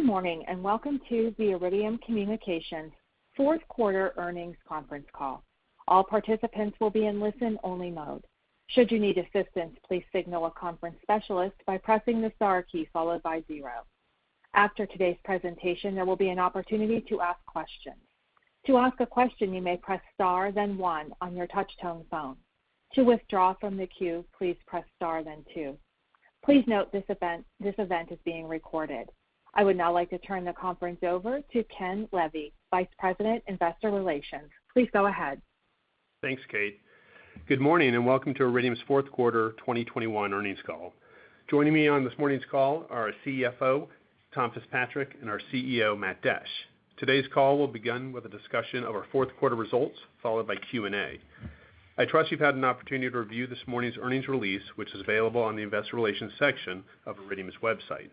Good morning, and welcome to the Iridium Communications Fourth Quarter Earnings Conference Call. All participants will be in listen-only mode. Should you need assistance, please signal a conference specialist by pressing the star key followed by zero. After today's presentation, there will be an opportunity to ask questions. To ask a question, you may press star then one on your touchtone phone. To withdraw from the queue, please press star then two. Please note this event is being recorded. I would now like to turn the conference over to Ken Levy, Vice President, Investor Relations. Please go ahead. Thanks, Kate. Good morning and welcome to Iridium's fourth quarter 2021 earnings call. Joining me on this morning's call are our CFO, Tom Fitzpatrick, and our CEO, Matt Desch. Today's call will begin with a discussion of our fourth-quarter results, followed by Q&A. I trust you've had an opportunity to review this morning's earnings release, which is available on the investor relations section of Iridium's website.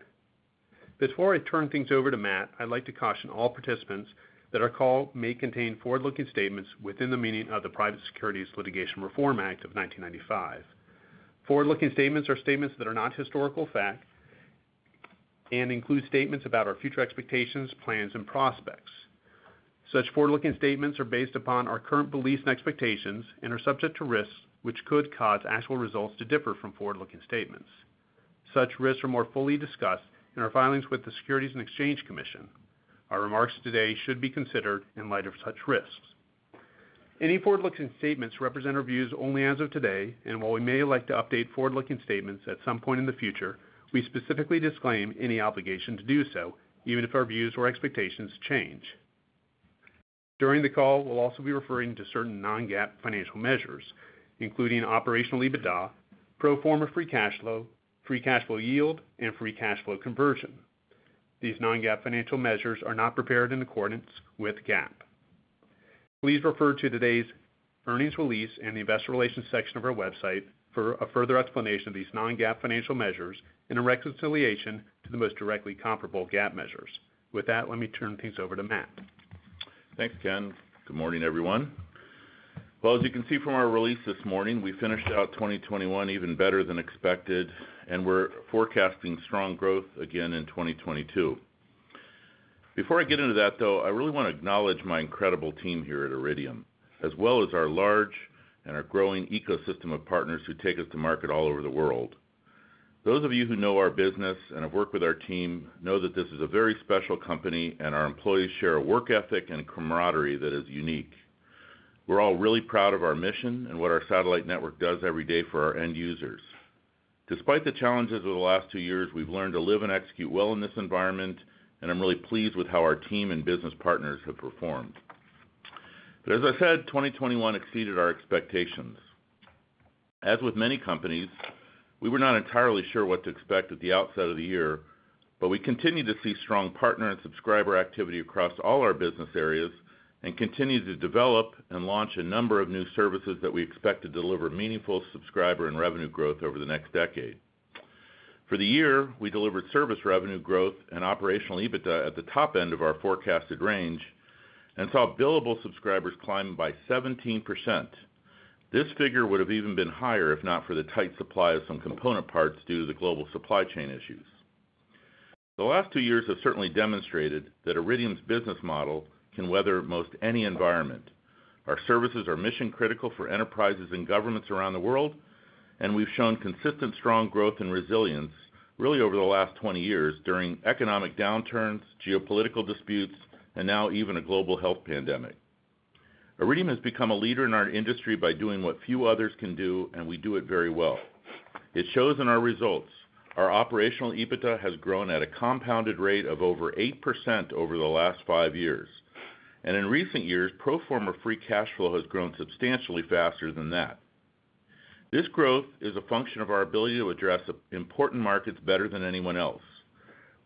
Before I turn things over to Matt, I'd like to caution all participants that our call may contain forward-looking statements within the meaning of the Private Securities Litigation Reform Act of 1995. Forward-looking statements are statements that are not historical fact and include statements about our future expectations, plans, and prospects. Such forward-looking statements are based upon our current beliefs and expectations and are subject to risks which could cause actual results to differ from forward-looking statements. Such risks are more fully discussed in our filings with the Securities and Exchange Commission. Our remarks today should be considered in light of such risks. Any forward-looking statements represent our views only as of today, and while we may like to update forward-looking statements at some point in the future, we specifically disclaim any obligation to do so, even if our views or expectations change. During the call, we'll also be referring to certain non-GAAP financial measures, including operational EBITDA, pro forma free cash flow, free cash flow yield, and free cash flow conversion. These non-GAAP financial measures are not prepared in accordance with GAAP. Please refer to today's earnings release in the investor relations section of our website for a further explanation of these non-GAAP financial measures and a reconciliation to the most directly comparable GAAP measures. With that, let me turn things over to Matt. Thanks, Ken. Good morning, everyone. Well, as you can see from our release this morning, we finished out 2021 even better than expected, and we're forecasting strong growth again in 2022. Before I get into that, though, I really wanna acknowledge my incredible team here at Iridium, as well as our large and our growing ecosystem of partners who take us to market all over the world. Those of you who know our business and have worked with our team know that this is a very special company, and our employees share a work ethic and camaraderie that is unique. We're all really proud of our mission and what our satellite network does every day for our end users. Despite the challenges over the last two years, we've learned to live and execute well in this environment, and I'm really pleased with how our team and business partners have performed. As I said, 2021 exceeded our expectations. As with many companies, we were not entirely sure what to expect at the outset of the year, but we continued to see strong partner and subscriber activity across all our business areas and continued to develop and launch a number of new services that we expect to deliver meaningful subscriber and revenue growth over the next decade. For the year, we delivered service revenue growth and operational EBITDA at the top end of our forecasted range and saw billable subscribers climb by 17%. This figure would have even been higher if not for the tight supply of some component parts due to the global supply chain issues. The last two years have certainly demonstrated that Iridium's business model can weather most any environment. Our services are mission-critical for enterprises and governments around the world, and we've shown consistent strong growth and resilience really over the last 20 years during economic downturns, geopolitical disputes, and now even a global health pandemic. Iridium has become a leader in our industry by doing what few others can do, and we do it very well. It shows in our results. Our operational EBITDA has grown at a compounded rate of over 8% over the last five years, and in recent years, pro forma free cash flow has grown substantially faster than that. This growth is a function of our ability to address important markets better than anyone else.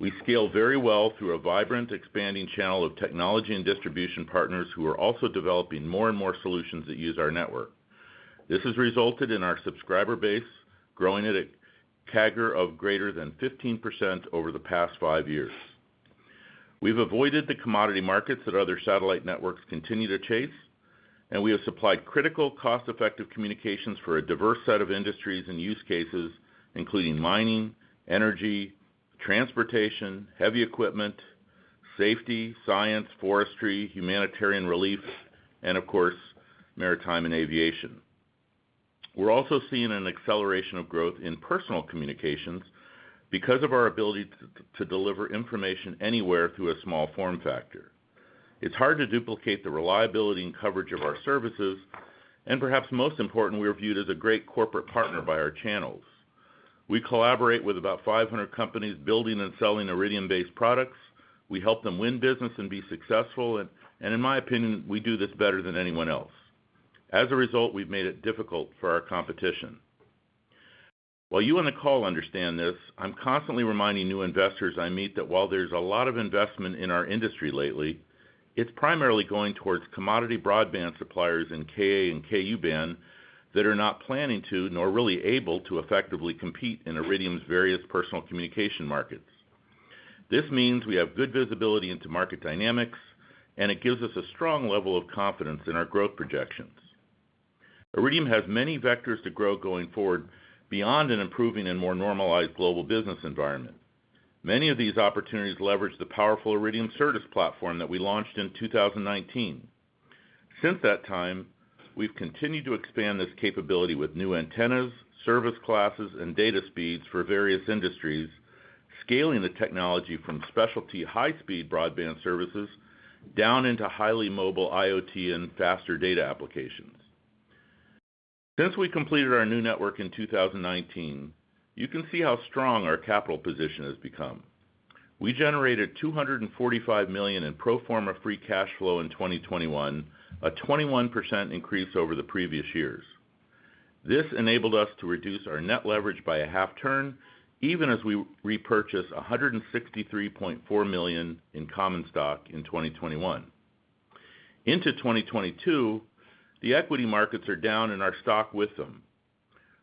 We scale very well through a vibrant, expanding channel of technology and distribution partners who are also developing more and more solutions that use our network. This has resulted in our subscriber base growing at a CAGR of greater than 15% over the past five years. We've avoided the commodity markets that other satellite networks continue to chase, and we have supplied critical, cost-effective communications for a diverse set of industries and use cases, including mining, energy, transportation, heavy equipment, safety, science, forestry, humanitarian relief, and of course, maritime and aviation. We're also seeing an acceleration of growth in personal communications because of our ability to deliver information anywhere through a small form factor. It's hard to duplicate the reliability and coverage of our services, and perhaps most important, we are viewed as a great corporate partner by our channels. We collaborate with about 500 companies building and selling Iridium-based products. We help them win business and be successful, and in my opinion, we do this better than anyone else. As a result, we've made it difficult for our competition. While you on the call understand this, I'm constantly reminding new investors I meet that while there's a lot of investment in our industry lately, it's primarily going towards commodity broadband suppliers in Ka- and Ku-band that are not planning to, nor really able to effectively compete in Iridium's various personal communication markets. This means we have good visibility into market dynamics, and it gives us a strong level of confidence in our growth projections. Iridium has many vectors to grow going forward beyond an improving and more normalized global business environment. Many of these opportunities leverage the powerful Iridium Certus platform that we launched in 2019. Since that time, we've continued to expand this capability with new antennas, service classes, and data speeds for various industries, scaling the technology from specialty high-speed broadband services down into highly mobile IoT and faster data applications. Since we completed our new network in 2019, you can see how strong our capital position has become. We generated $245 million in pro forma free cash flow in 2021, a 21% increase over the previous years. This enabled us to reduce our net leverage by a half turn, even as we repurchased $163.4 million in common stock in 2021. Into 2022, the equity markets are down and our stock with them.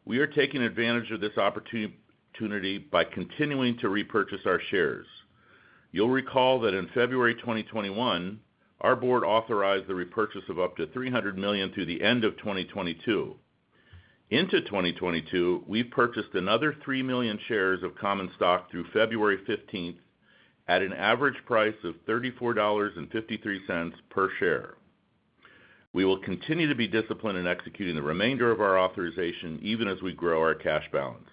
We are taking advantage of this opportunity by continuing to repurchase our shares. You'll recall that in February 2021, our board authorized the repurchase of up to $300 million through the end of 2022. Into 2022, we've purchased another 3 million shares of common stock through February 15th at an average price of $34.53 per share. We will continue to be disciplined in executing the remainder of our authorization even as we grow our cash balance.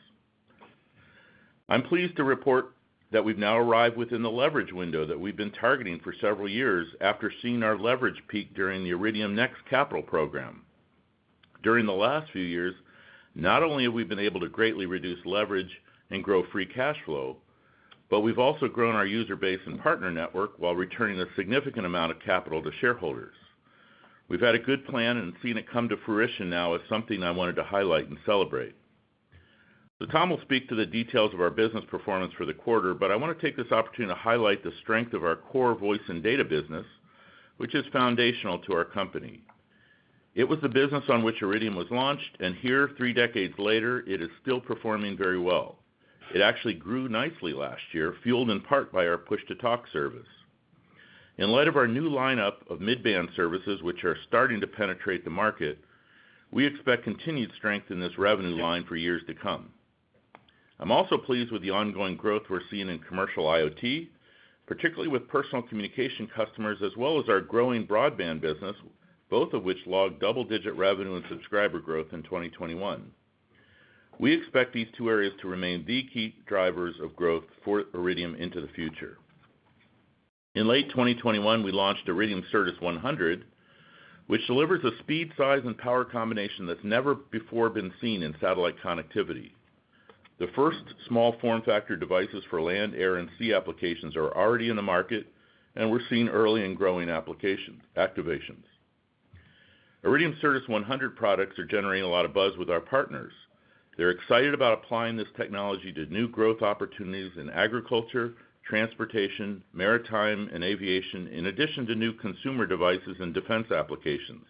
I'm pleased to report that we've now arrived within the leverage window that we've been targeting for several years after seeing our leverage peak during the Iridium NEXT capital program. During the last few years, not only have we been able to greatly reduce leverage and grow free cash flow, but we've also grown our user base and partner network while returning a significant amount of capital to shareholders. We've had a good plan and seeing it come to fruition now is something I wanted to highlight and celebrate. Tom will speak to the details of our business performance for the quarter, but I want to take this opportunity to highlight the strength of our core voice and data business, which is foundational to our company. It was the business on which Iridium was launched, and here, three decades later, it is still performing very well. It actually grew nicely last year, fueled in part by our Push-to-Talk service. In light of our new lineup of mid-band services, which are starting to penetrate the market, we expect continued strength in this revenue line for years to come. I'm also pleased with the ongoing growth we're seeing in commercial IoT, particularly with personal communication customers, as well as our growing broadband business, both of which logged double-digit revenue and subscriber growth in 2021. We expect these two areas to remain the key drivers of growth for Iridium into the future. In late 2021, we launched Iridium Certus 100, which delivers a speed, size, and power combination that's never before been seen in satellite connectivity. The first small form factor devices for land, air, and sea applications are already in the market, and we're seeing early and growing activations. Iridium Certus 100 products are generating a lot of buzz with our partners. They're excited about applying this technology to new growth opportunities in agriculture, transportation, maritime, and aviation, in addition to new consumer devices and defense applications.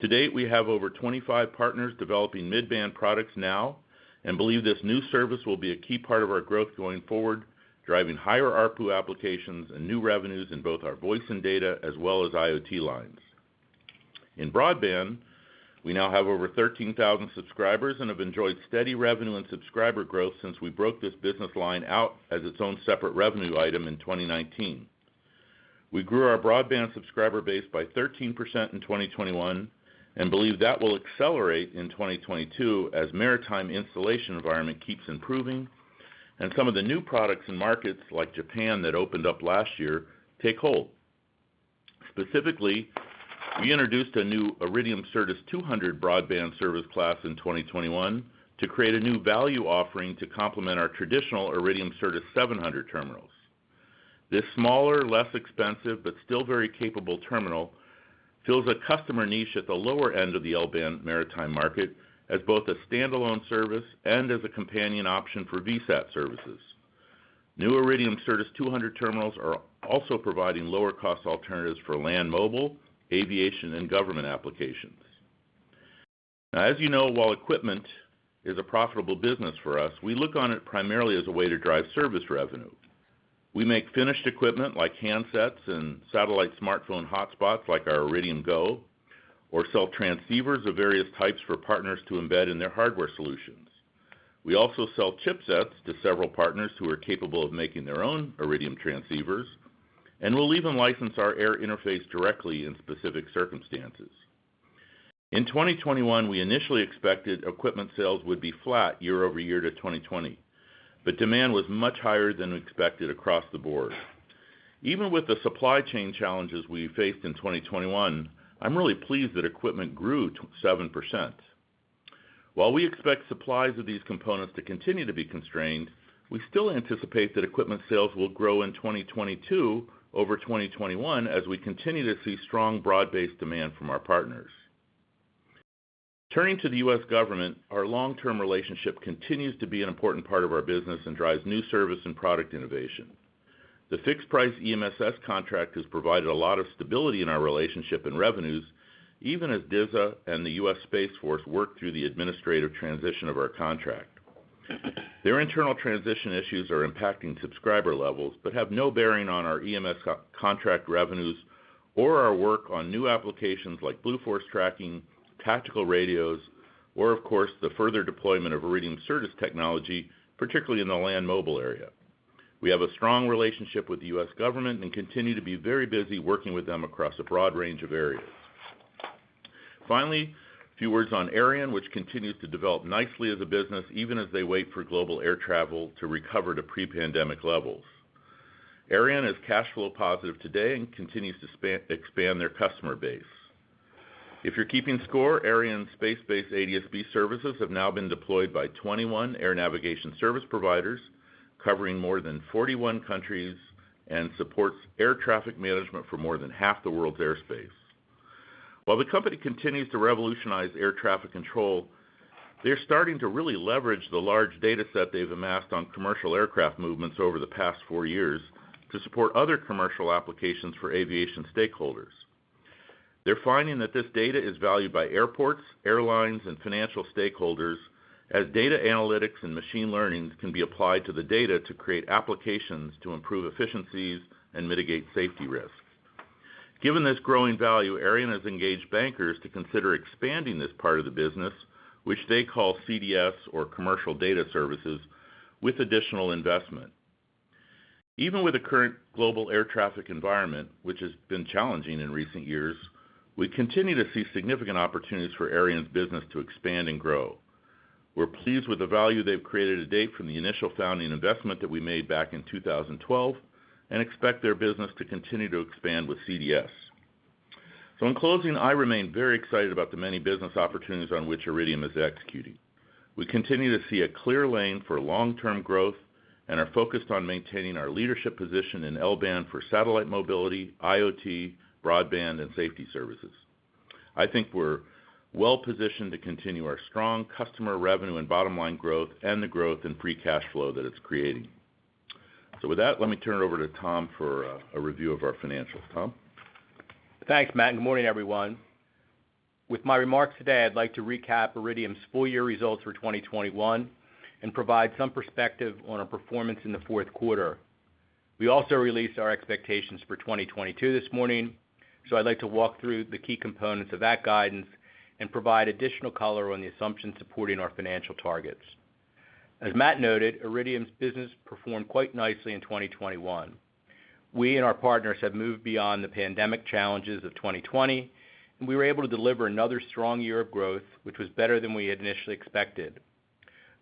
To date, we have over 25 partners developing mid-band products now and believe this new service will be a key part of our growth going forward, driving higher ARPU applications and new revenues in both our voice and data, as well as IoT lines. In broadband, we now have over 13,000 subscribers and have enjoyed steady revenue and subscriber growth since we broke this business line out as its own separate revenue item in 2019. We grew our broadband subscriber base by 13% in 2021 and believe that will accelerate in 2022 as maritime installation environment keeps improving and some of the new products and markets like Japan that opened up last year take hold. Specifically, we introduced a new Iridium Certus 200 broadband service class in 2021 to create a new value offering to complement our traditional Iridium Certus 700 terminals. This smaller, less expensive, but still very capable terminal fills a customer niche at the lower end of the L-band maritime market as both a standalone service and as a companion option for VSAT services. New Iridium Certus 200 terminals are also providing lower cost alternatives for land mobile, aviation, and government applications. Now, as you know, while equipment is a profitable business for us, we look on it primarily as a way to drive service revenue. We make finished equipment like handsets and satellite smartphone hotspots like our Iridium GO! or sell transceivers of various types for partners to embed in their hardware solutions. We also sell chipsets to several partners who are capable of making their own Iridium transceivers, and we'll even license our air interface directly in specific circumstances. In 2021, we initially expected equipment sales would be flat year-over-year to 2020, but demand was much higher than expected across the board. Even with the supply chain challenges we faced in 2021, I'm really pleased that equipment grew 7%. While we expect supplies of these components to continue to be constrained, we still anticipate that equipment sales will grow in 2022 over 2021 as we continue to see strong broad-based demand from our partners. Turning to the U.S. government, our long-term relationship continues to be an important part of our business and drives new service and product innovation. The fixed price EMSS contract has provided a lot of stability in our relationship and revenues, even as DISA and the US Space Force work through the administrative transition of our contract. Their internal transition issues are impacting subscriber levels, but have no bearing on our EMSS contract revenues or our work on new applications like Blue Force Tracking, tactical radios, or of course, the further deployment of Iridium Certus technology, particularly in the land mobile area. We have a strong relationship with the US government and continue to be very busy working with them across a broad range of areas. Finally, a few words on Aireon, which continues to develop nicely as a business, even as they wait for global air travel to recover to pre-pandemic levels. Aireon is cash flow positive today and continues to expand their customer base. If you're keeping score, Aireon space-based ADS-B services have now been deployed by 21 air navigation service providers covering more than 41 countries and supports air traffic management for more than half the world's airspace. While the company continues to revolutionize air traffic control, they're starting to really leverage the large data set they've amassed on commercial aircraft movements over the past four years to support other commercial applications for aviation stakeholders. They're finding that this data is valued by airports, airlines, and financial stakeholders as data analytics and machine learning can be applied to the data to create applications to improve efficiencies and mitigate safety risks. Given this growing value, Aireon has engaged bankers to consider expanding this part of the business, which they call CDS or Commercial Data Services, with additional investment. Even with the current global air traffic environment, which has been challenging in recent years, we continue to see significant opportunities for Aireon's business to expand and grow. We're pleased with the value they've created to date from the initial founding investment that we made back in 2012 and expect their business to continue to expand with CDS. In closing, I remain very excited about the many business opportunities on which Iridium is executing. We continue to see a clear lane for long-term growth and are focused on maintaining our leadership position in L-band for satellite mobility, IoT, broadband, and safety services. I think we're well-positioned to continue our strong customer revenue and bottom-line growth and the growth in free cash flow that it's creating. With that, let me turn it over to Tom for a review of our financials. Tom? Thanks, Matt. Good morning, everyone. With my remarks today, I'd like to recap Iridium's full year results for 2021 and provide some perspective on our performance in the fourth quarter. We also released our expectations for 2022 this morning, so I'd like to walk through the key components of that guidance and provide additional color on the assumptions supporting our financial targets. As Matt noted, Iridium's business performed quite nicely in 2021. We and our partners have moved beyond the pandemic challenges of 2020, and we were able to deliver another strong year of growth, which was better than we had initially expected.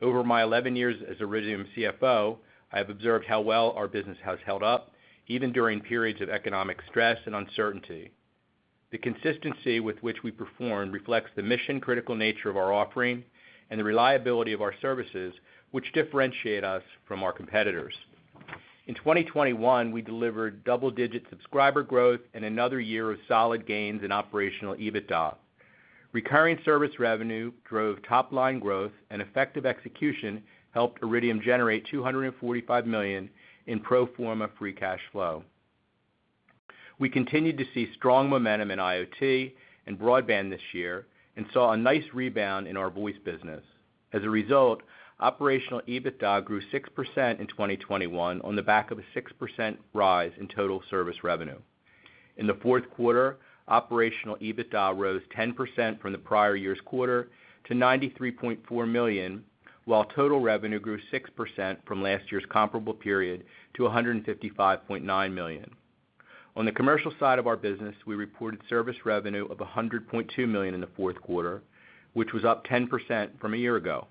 Over my 11 years as Iridium CFO, I have observed how well our business has held up, even during periods of economic stress and uncertainty. The consistency with which we perform reflects the mission-critical nature of our offering and the reliability of our services, which differentiate us from our competitors. In 2021, we delivered double-digit subscriber growth and another year of solid gains in operational EBITDA. Recurring service revenue drove top-line growth and effective execution helped Iridium generate $245 million in pro forma free cash flow. We continued to see strong momentum in IoT and broadband this year and saw a nice rebound in our voice business. As a result, operational EBITDA grew 6% in 2021 on the back of a 6% rise in total service revenue. In the fourth quarter, operational EBITDA rose 10% from the prior year's quarter to $93.4 million, while total revenue grew 6% from last year's comparable period to $155.9 million. On the commercial side of our business, we reported service revenue of $100.2 million in the fourth quarter, which was up 10% from a year ago.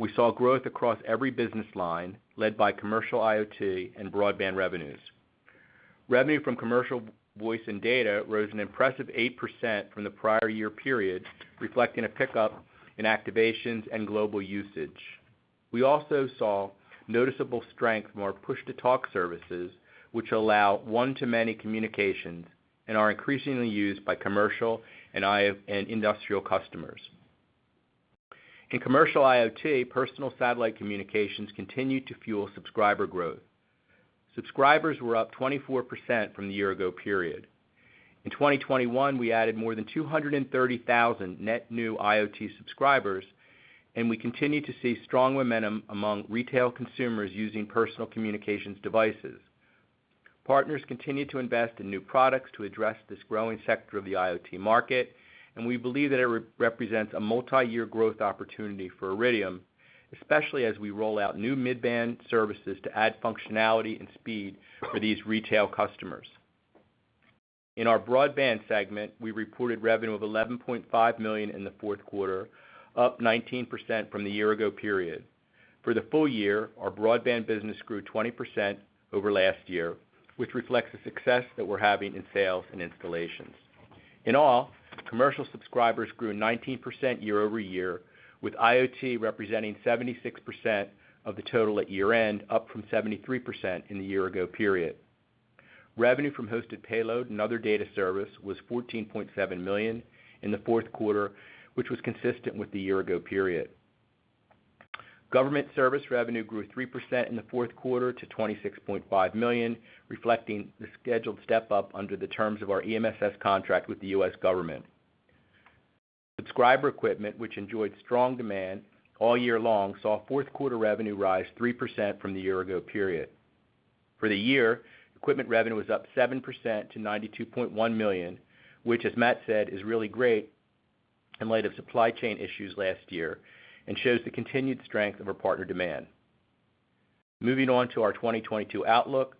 We saw growth across every business line led by commercial IoT and broadband revenues. Revenue from commercial voice and data rose an impressive 8% from the prior year period, reflecting a pickup in activations and global usage. We also saw noticeable strength from our Push-to-Talk services, which allow one-to-many communications and are increasingly used by commercial and IoT and industrial customers. In commercial IoT, personal satellite communications continued to fuel subscriber growth. Subscribers were up 24% from the year ago period. In 2021, we added more than 230,000 net new IoT subscribers, and we continue to see strong momentum among retail consumers using personal communications devices. Partners continue to invest in new products to address this growing sector of the IoT market, and we believe that it represents a multi-year growth opportunity for Iridium, especially as we roll out new mid-band services to add functionality and speed for these retail customers. In our broadband segment, we reported revenue of $11.5 million in the fourth quarter, up 19% from the year ago period. For the full year, our broadband business grew 20% over last year, which reflects the success that we're having in sales and installations. In all, commercial subscribers grew 19% year-over-year, with IoT representing 76% of the total at year-end, up from 73% in the year ago period. Revenue from hosted payload and other data service was $14.7 million in the fourth quarter, which was consistent with the year ago period. Government service revenue grew 3% in the fourth quarter to $26.5 million, reflecting the scheduled step-up under the terms of our EMSS contract with the U.S. government. Subscriber equipment, which enjoyed strong demand all year long, saw fourth quarter revenue rise 3% from the year ago period. For the year, equipment revenue was up 7% to $92.1 million, which, as Matt said, is really great in light of supply chain issues last year and shows the continued strength of our partner demand. Moving on to our 2022 outlook,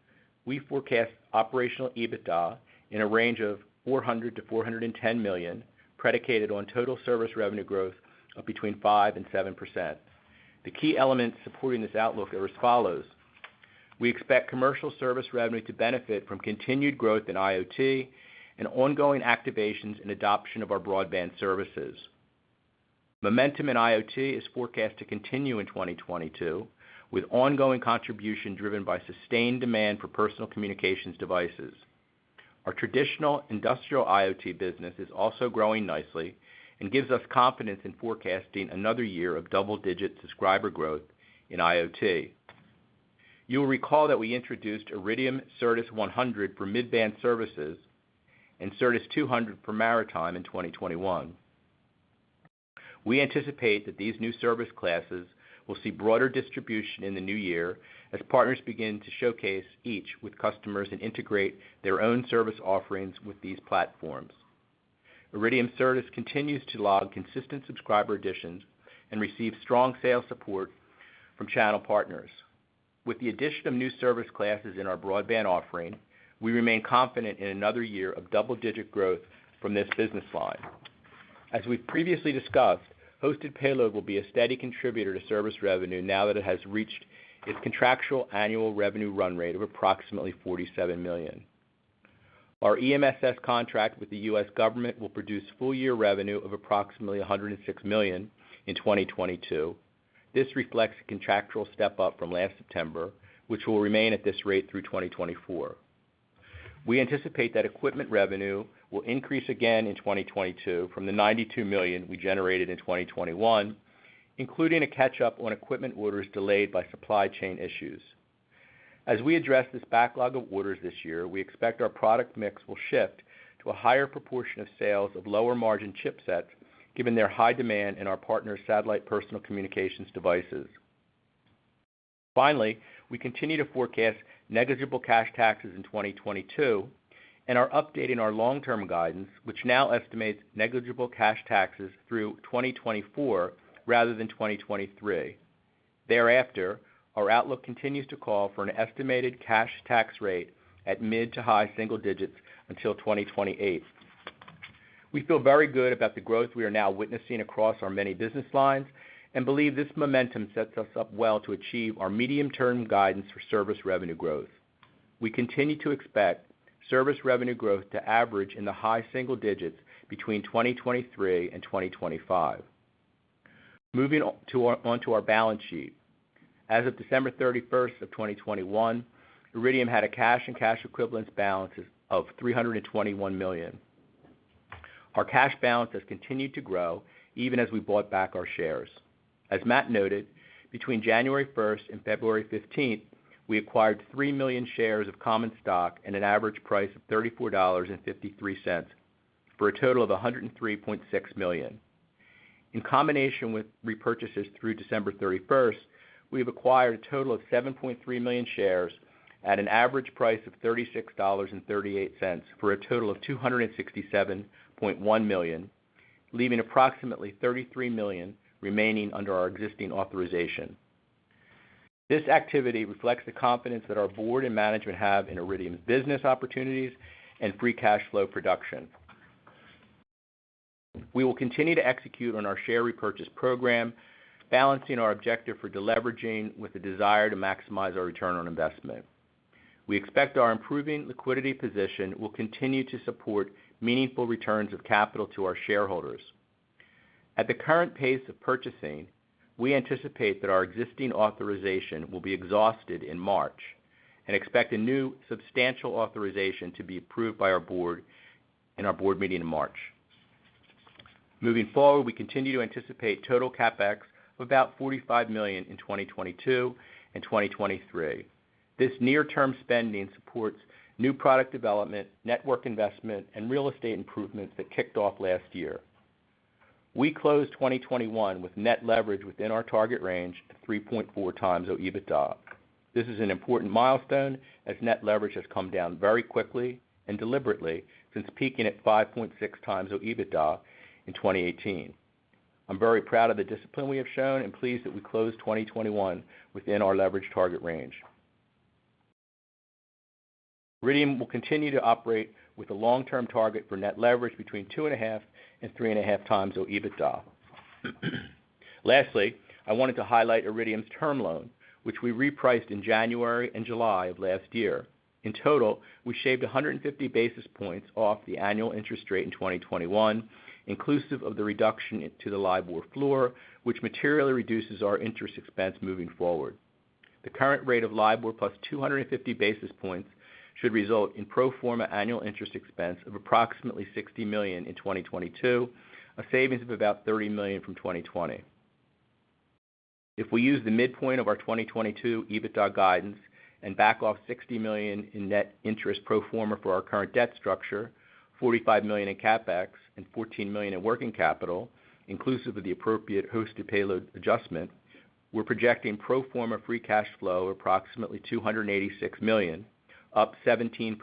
we forecast operational EBITDA in a range of $400 million-$410 million, predicated on total service revenue growth of between 5% and 7%. The key elements supporting this outlook are as follows. We expect commercial service revenue to benefit from continued growth in IoT and ongoing activations and adoption of our broadband services. Momentum in IoT is forecast to continue in 2022, with ongoing contribution driven by sustained demand for personal communications devices. Our traditional industrial IoT business is also growing nicely and gives us confidence in forecasting another year of double-digit subscriber growth in IoT. You'll recall that we introduced Iridium Certus 100 for mid-band services and Certus 200 for maritime in 2021. We anticipate that these new service classes will see broader distribution in the new year as partners begin to showcase each with customers and integrate their own service offerings with these platforms. Iridium Certus continues to log consistent subscriber additions and receive strong sales support from channel partners. With the addition of new service classes in our broadband offering, we remain confident in another year of double-digit growth from this business line. As we've previously discussed, hosted payload will be a steady contributor to service revenue now that it has reached its contractual annual revenue run rate of approximately $47 million. Our EMSS contract with the U.S. government will produce full year revenue of approximately $106 million in 2022. This reflects a contractual step up from last September, which will remain at this rate through 2024. We anticipate that equipment revenue will increase again in 2022 from the $92 million we generated in 2021, including a catch up on equipment orders delayed by supply chain issues. As we address this backlog of orders this year, we expect our product mix will shift to a higher proportion of sales of lower margin chipsets, given their high demand in our partner satellite personal communications devices. Finally, we continue to forecast negligible cash taxes in 2022 and are updating our long-term guidance, which now estimates negligible cash taxes through 2024 rather than 2023. Thereafter, our outlook continues to call for an estimated cash tax rate at mid- to high-single-digits until 2028. We feel very good about the growth we are now witnessing across our many business lines and believe this momentum sets us up well to achieve our medium-term guidance for service revenue growth. We continue to expect service revenue growth to average in the high single digits between 2023 and 2025. Moving onto our balance sheet. As of December 31st, 2021, Iridium had a cash and cash equivalents balance of $321 million. Our cash balance has continued to grow even as we bought back our shares. As Matt noted, between January 1st and February 15th, we acquired 3 million shares of common stock at an average price of $34.53 for a total of $103.6 million. In combination with repurchases through December 31st, we have acquired a total of 7.3 million shares at an average price of $36.38 for a total of $267.1 million, leaving approximately 33 million remaining under our existing authorization. This activity reflects the confidence that our board and management have in Iridium's business opportunities and free cash flow production. We will continue to execute on our share repurchase program, balancing our objective for deleveraging with the desire to maximize our return on investment. We expect our improving liquidity position will continue to support meaningful returns of capital to our shareholders. At the current pace of purchasing, we anticipate that our existing authorization will be exhausted in March and expect a new substantial authorization to be approved by our board in our board meeting in March. Moving forward, we continue to anticipate total CapEx of about $45 million in 2022 and 2023. This near-term spending supports new product development, network investment, and real estate improvements that kicked off last year. We closed 2021 with net leverage within our target range to 3.4x OIBDA. This is an important milestone as net leverage has come down very quickly and deliberately since peaking at 5.6x OIBDA in 2018. I'm very proud of the discipline we have shown and pleased that we closed 2021 within our leverage target range. Iridium will continue to operate with a long-term target for net leverage between 2.5x and 3.5x OIBDA. Lastly, I wanted to highlight Iridium's term loan, which we repriced in January and July of last year. In total, we shaved 150 basis points off the annual interest rate in 2021, inclusive of the reduction to the LIBOR floor, which materially reduces our interest expense moving forward. The current rate of LIBOR plus 250 basis points should result in pro forma annual interest expense of approximately $60 million in 2022, a savings of about $30 million from 2020. If we use the midpoint of our 2022 EBITDA guidance and back off $60 million in net interest pro forma for our current debt structure, $45 million in CapEx and $14 million in working capital, inclusive of the appropriate hosted payload adjustment, we're projecting pro forma free cash flow approximately $286 million, up 17%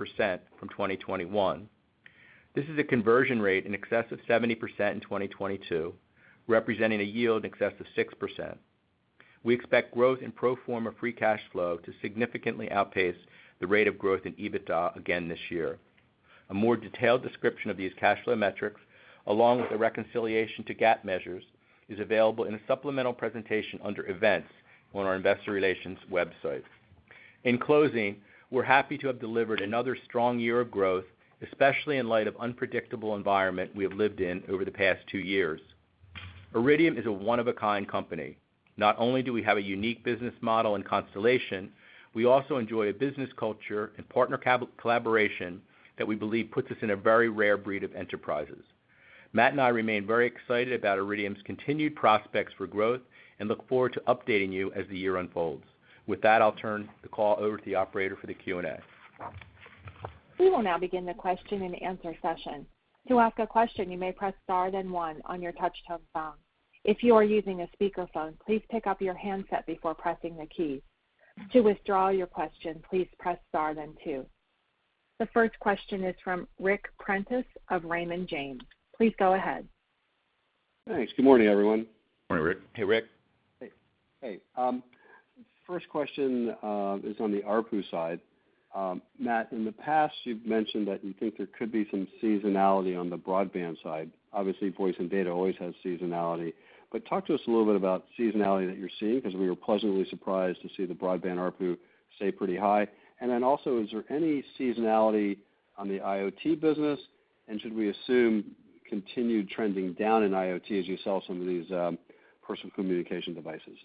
from 2021. This is a conversion rate in excess of 70% in 2022, representing a yield in excess of 6%. We expect growth in pro forma free cash flow to significantly outpace the rate of growth in EBITDA again this year. A more detailed description of these cash flow metrics, along with the reconciliation to GAAP measures, is available in a supplemental presentation under Events on our investor relations website. In closing, we're happy to have delivered another strong year of growth, especially in light of unpredictable environment we have lived in over the past two years. Iridium is a one-of-a-kind company. Not only do we have a unique business model and constellation, we also enjoy a business culture and partner collaboration that we believe puts us in a very rare breed of enterprises. Matt and I remain very excited about Iridium's continued prospects for growth and look forward to updating you as the year unfolds. With that, I'll turn the call over to the operator for the Q&A. We will now begin the question-and-answer session. To ask a question, you may press star then one on your touch-tone phone. If you are using a speakerphone, please pick up your handset before pressing the key. To withdraw your question, please press star then two. The first question is from Ric Prentiss of Raymond James. Please go ahead. Thanks. Good morning, everyone. Morning, Ric. Hey, Ric. First question is on the ARPU side. Matt, in the past, you've mentioned that you think there could be some seasonality on the broadband side. Obviously, voice and data always has seasonality. Talk to us a little bit about seasonality that you're seeing, because we were pleasantly surprised to see the broadband ARPU stay pretty high. Is there any seasonality on the IoT business? Should we assume continued trending down in IoT as you sell some of these personal communication devices?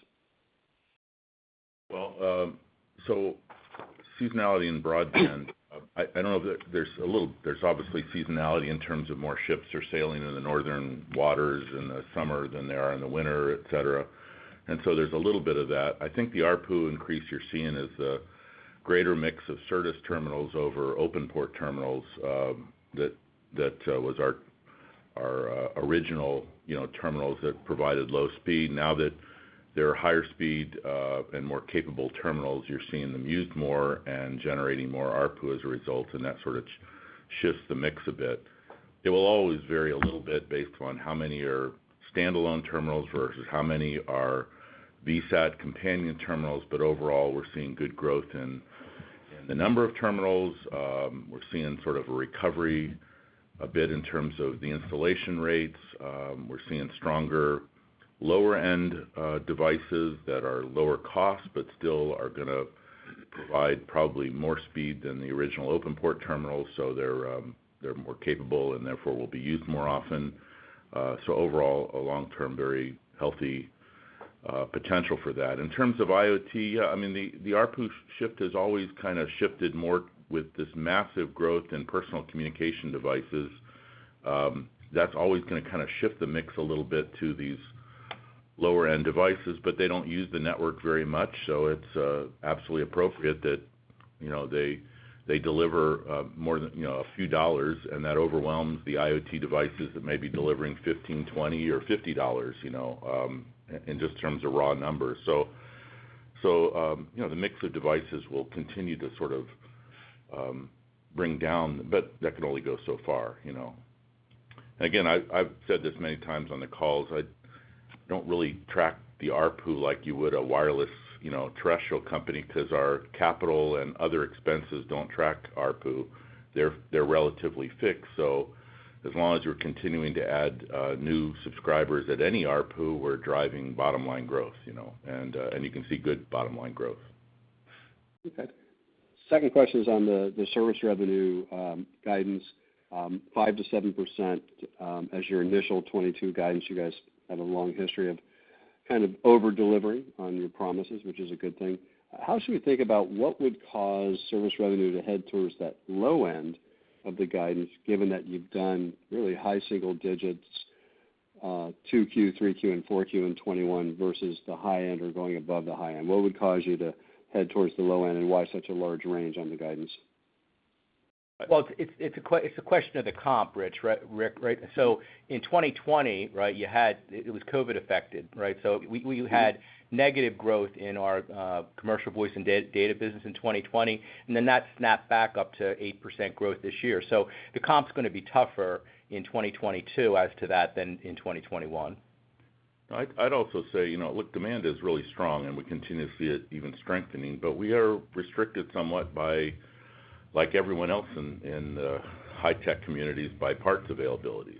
Well, seasonality in broadband. I don't know if there's a little. There's obviously seasonality in terms of more ships are sailing in the northern waters in the summer than there are in the winter, et cetera. There's a little bit of that. I think the ARPU increase you're seeing is a greater mix of Certus terminals over OpenPort terminals, that was our original, you know, terminals that provided low speed. Now that they're higher speed and more capable terminals, you're seeing them used more and generating more ARPU as a result, and that sort of shifts the mix a bit. It will always vary a little bit based on how many are standalone terminals versus how many are VSAT companion terminals. Overall, we're seeing good growth in the number of terminals. We're seeing sort of a recovery a bit in terms of the installation rates. We're seeing stronger lower-end devices that are lower cost, but still are gonna provide probably more speed than the original OpenPort terminals, so they're more capable and therefore will be used more often. Overall, a long term, very healthy potential for that. In terms of IoT, yeah, I mean, the ARPU shift has always kinda shifted more with this massive growth in personal communication devices. That's always gonna kinda shift the mix a little bit to these lower-end devices, but they don't use the network very much, so it's absolutely appropriate that, you know, they deliver more than, you know, a few dollars, and that overwhelms the IoT devices that may be delivering $15, $20, or $50, you know, in just terms of raw numbers. You know, the mix of devices will continue to sort of bring down, but that can only go so far, you know. Again, I've said this many times on the calls, I don't really track the ARPU like you would a wireless, you know, terrestrial company because our capital and other expenses don't track ARPU. They're relatively fixed, so as long as we're continuing to add new subscribers at any ARPU, we're driving bottom line growth, you know, and you can see good bottom line growth. Okay. Second question is on the service revenue guidance, 5%-7% as your initial 2022 guidance. You guys have a long history of kind of over-delivering on your promises, which is a good thing. How should we think about what would cause service revenue to head towards that low end of the guidance, given that you've done really high single digits, Q2, Q3, and Q4 in 2021 versus the high end or going above the high end? What would cause you to head towards the low end, and why such a large range on the guidance? Well, it's a question of the comp, Rick, right? In 2020, right, it was COVID affected, right? We had negative growth in our commercial voice and data business in 2020, and then that snapped back up to 8% growth this year. The comp's gonna be tougher in 2022 as to that than in 2021. I'd also say, you know, look, demand is really strong, and we continue to see it even strengthening. We are restricted somewhat by, like everyone else in the high-tech communities, by parts availabilities.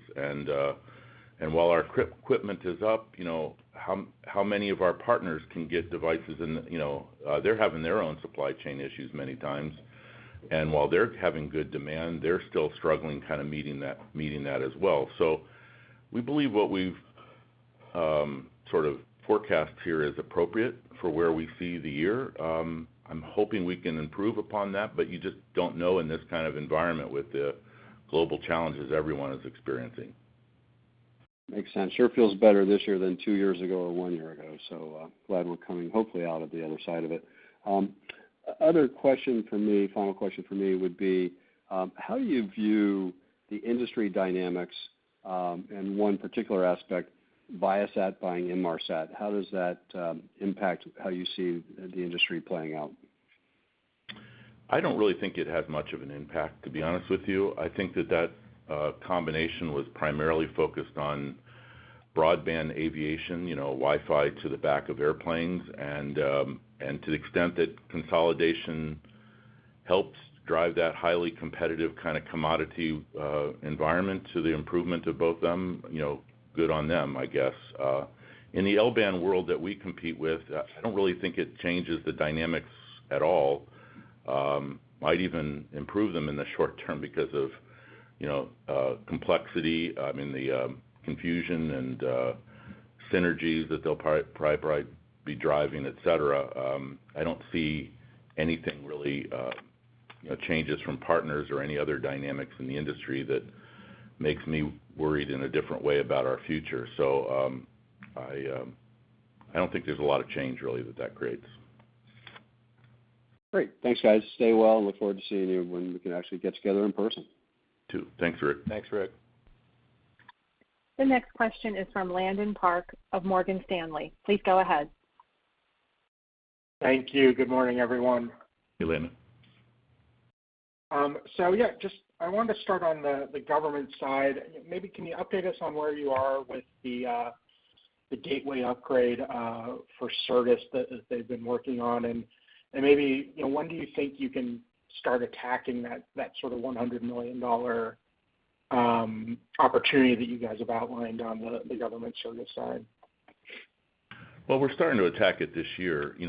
While our equipment is up, you know, how many of our partners can get devices in, you know. They're having their own supply chain issues many times. While they're having good demand, they're still struggling kind of meeting that as well. We believe what we've sort of forecast here is appropriate for where we see the year. I'm hoping we can improve upon that, but you just don't know in this kind of environment with the global challenges everyone is experiencing. Makes sense. Sure feels better this year than two years ago or one year ago. Glad we're coming, hopefully out of the other side of it. Other question for me, final question for me would be, how do you view the industry dynamics, and one particular aspect, Viasat buying Inmarsat? How does that impact how you see the industry playing out? I don't really think it has much of an impact, to be honest with you. I think that combination was primarily focused on broadband aviation, you know, Wi-Fi to the back of airplanes. To the extent that consolidation helps drive that highly competitive kind of commodity environment to the improvement of both them, you know, good on them, I guess. In the L-band world that we compete with, I don't really think it changes the dynamics at all. Might even improve them in the short term because of, you know, complexity, I mean, the confusion and synergies that they'll primarily be driving, et cetera. I don't see anything really, you know, changes from partners or any other dynamics in the industry that makes me worried in a different way about our future. I don't think there's a lot of change really that creates. Great. Thanks, guys. Stay well, and look forward to seeing you when we can actually get together in person. You too. Thanks, Ric. Thanks, Ric. The next question is from Landon Park of Morgan Stanley. Please go ahead. Thank you. Good morning, everyone. Hey, Landon. Yeah, I wanted to start on the government side. Maybe can you update us on where you are with the gateway upgrade for Certus that they've been working on? Maybe, you know, when do you think you can start attacking that sort of $100 million opportunity that you guys have outlined on the government Certus side? Well, we're starting to attack it this year, you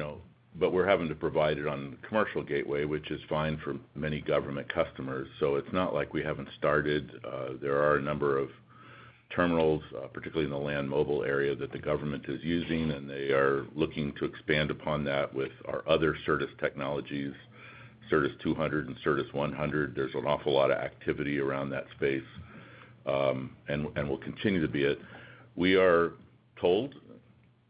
know, but we're having to provide it on the commercial gateway, which is fine for many government customers. It's not like we haven't started. There are a number of terminals, particularly in the land mobile area that the government is using, and they are looking to expand upon that with our other Certus technologies, Certus 200 and Certus 100. There's an awful lot of activity around that space, and will continue to be it. We are told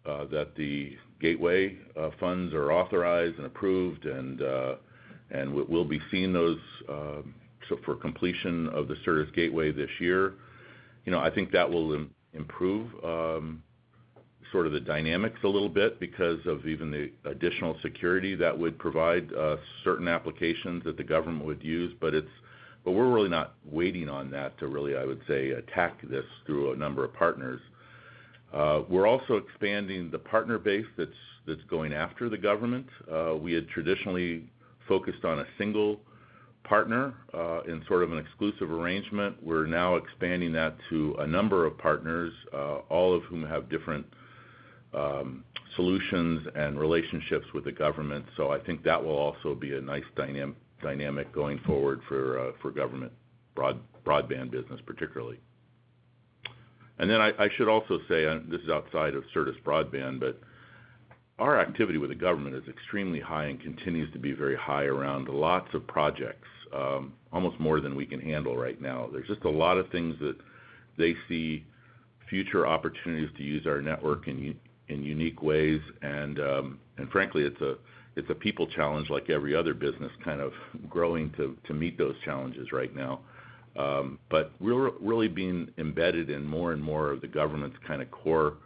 that the gateway funds are authorized and approved, and we'll be seeing those, so for completion of the Certus gateway this year. You know, I think that will improve sort of the dynamics a little bit because of even the additional security that would provide certain applications that the government would use. We're really not waiting on that to really, I would say, attack this through a number of partners. We're also expanding the partner base that's going after the government. We had traditionally focused on a single partner in sort of an exclusive arrangement. We're now expanding that to a number of partners all of whom have different solutions and relationships with the government. I think that will also be a nice dynamic going forward for government broadband business, particularly. I should also say this is outside of Certus broadband, but our activity with the government is extremely high and continues to be very high around lots of projects, almost more than we can handle right now. There's just a lot of things that they see future opportunities to use our network in unique ways. Frankly, it's a people challenge like every other business kind of growing to meet those challenges right now. We're really being embedded in more and more of the government's core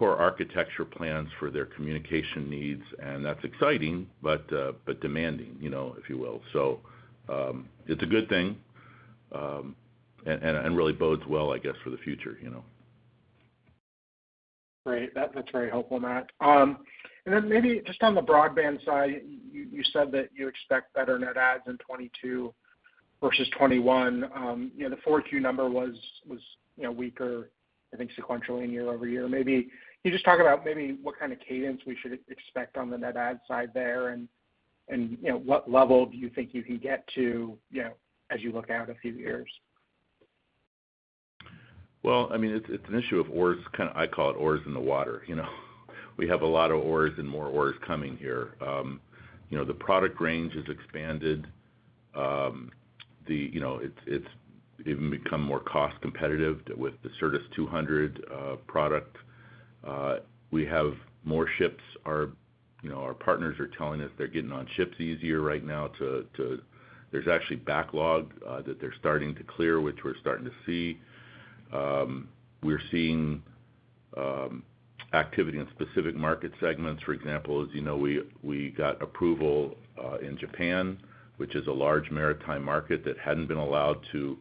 architecture plans for their communication needs, and that's exciting, but demanding, you know, if you will. It's a good thing and really bodes well, I guess, for the future, you know. Great. That's very helpful, Matt. Then maybe just on the broadband side, you said that you expect better net adds in 2022 versus 2021. You know, the Q4 number was, you know, weaker, I think sequentially and year-over-year. Maybe can you just talk about maybe what kind of cadence we should expect on the net add side there and you know, what level do you think you can get to, you know, as you look out a few years? Well, I mean, it's an issue of oars kind of. I call it oars in the water, you know? We have a lot of oars and more oars coming here. You know, the product range has expanded. You know, it's even become more cost competitive with the Certus 200 product. We have more ships. Our partners are telling us they're getting on ships easier right now. There's actually backlog that they're starting to clear, which we're starting to see. We're seeing activity in specific market segments. For example, as you know, we got approval in Japan, which is a large maritime market that hadn't been allowed to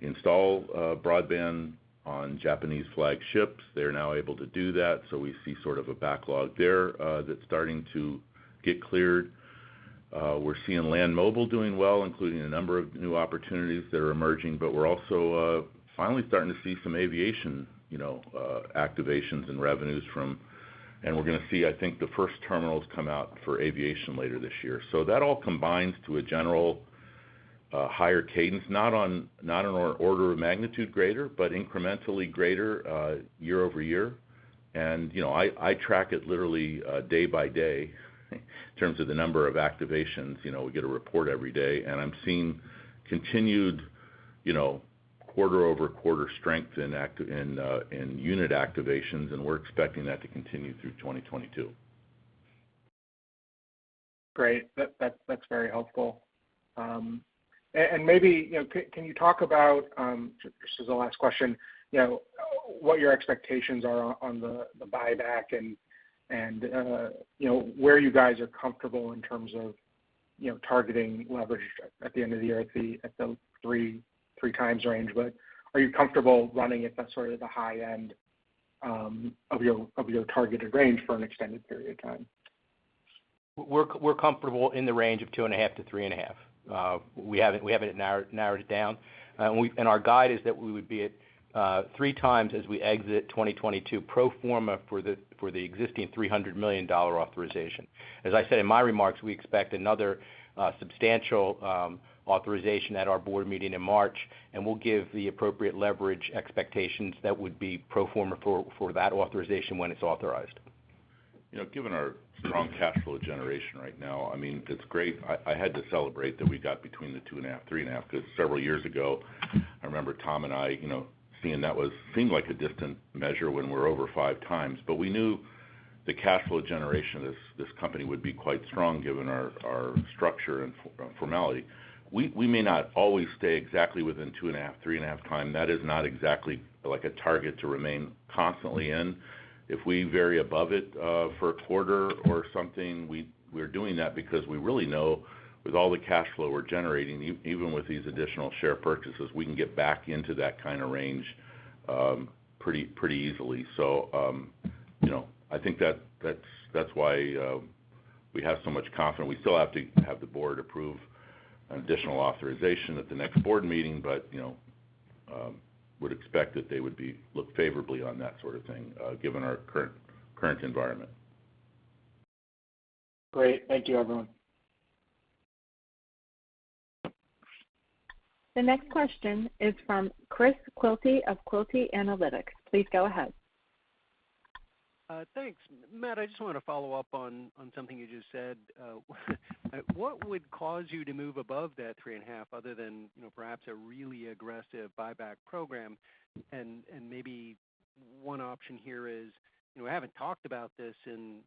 install broadband on Japanese flagged ships. They're now able to do that, so we see sort of a backlog there that's starting to get cleared. We're seeing land mobile doing well, including a number of new opportunities that are emerging, but we're also finally starting to see some aviation, you know, activations and revenues from, and we're gonna see, I think, the first terminals come out for aviation later this year. That all combines to a general higher cadence, not on an order of magnitude greater, but incrementally greater year-over-year. You know, I track it literally day by day in terms of the number of activations. You know, we get a report every day, and I'm seeing continued, you know, quarter-over-quarter strength in unit activations, and we're expecting that to continue through 2022. Great. That's very helpful. Maybe, you know, can you talk about, this is the last question, you know, what your expectations are on the buyback and, you know, where you guys are comfortable in terms of, you know, targeting leverage at the end of the year at the 3x range. Are you comfortable running at that sort of the high end of your targeted range for an extended period of time? We're comfortable in the range of 2.5x-3.5x. We have it narrowed down. Our guide is that we would be at 3x as we exit 2022 pro forma for the existing $300 million authorization. As I said in my remarks, we expect another substantial authorization at our board meeting in March, and we'll give the appropriate leverage expectations that would be pro forma for that authorization when it's authorized. You know, given our strong cash flow generation right now, I mean, it's great. I had to celebrate that we got between 2.5x and 3.5x, because several years ago, I remember Tom and I, you know, seeing that seemed like a distant measure when we're over 5x. We knew the cash flow generation of this company would be quite strong given our structure and formality. We may not always stay exactly within 2.5x and 3.5x. That is not exactly like a target to remain constantly in. If we vary above it for a quarter or something, we're doing that because we really know with all the cash flow we're generating, even with these additional share purchases, we can get back into that kind of range pretty easily. You know, I think that that's why we have so much confidence. We still have to have the board approve an additional authorization at the next board meeting, but you know we would expect that they would look favorably on that sort of thing given our current environment. Great. Thank you, everyone. The next question is from Chris Quilty of Quilty Analytics. Please go ahead. Thanks. Matt, I just want to follow up on something you just said. What would cause you to move above that 3.5x other than, you know, perhaps a really aggressive buyback program? Maybe one option here is, you know, we haven't talked about this in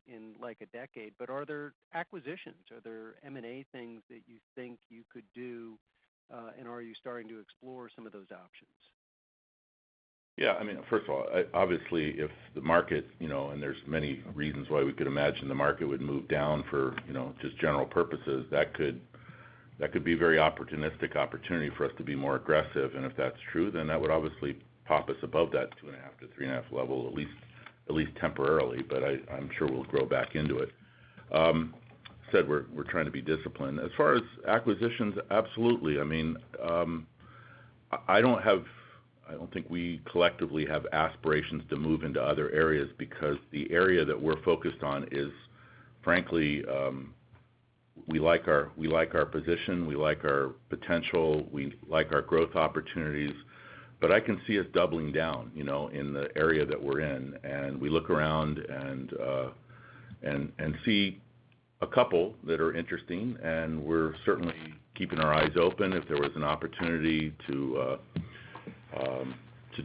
like a decade, but are there acquisitions? Are there M&A things that you think you could do, and are you starting to explore some of those options? Yeah. I mean, first of all, obviously, if the market, you know, and there's many reasons why we could imagine the market would move down for, you know, just general purposes, that could be very opportunistic opportunity for us to be more aggressive. If that's true, then that would obviously pop us above that 2.5x-3.5x level, at least temporarily. I'm sure we'll grow back into it. We said we're trying to be disciplined. As far as acquisitions, absolutely. I mean, I don't think we collectively have aspirations to move into other areas because the area that we're focused on is frankly, we like our position, we like our potential, we like our growth opportunities. I can see us doubling down, you know, in the area that we're in. We look around and see a couple that are interesting, and we're certainly keeping our eyes open. If there was an opportunity to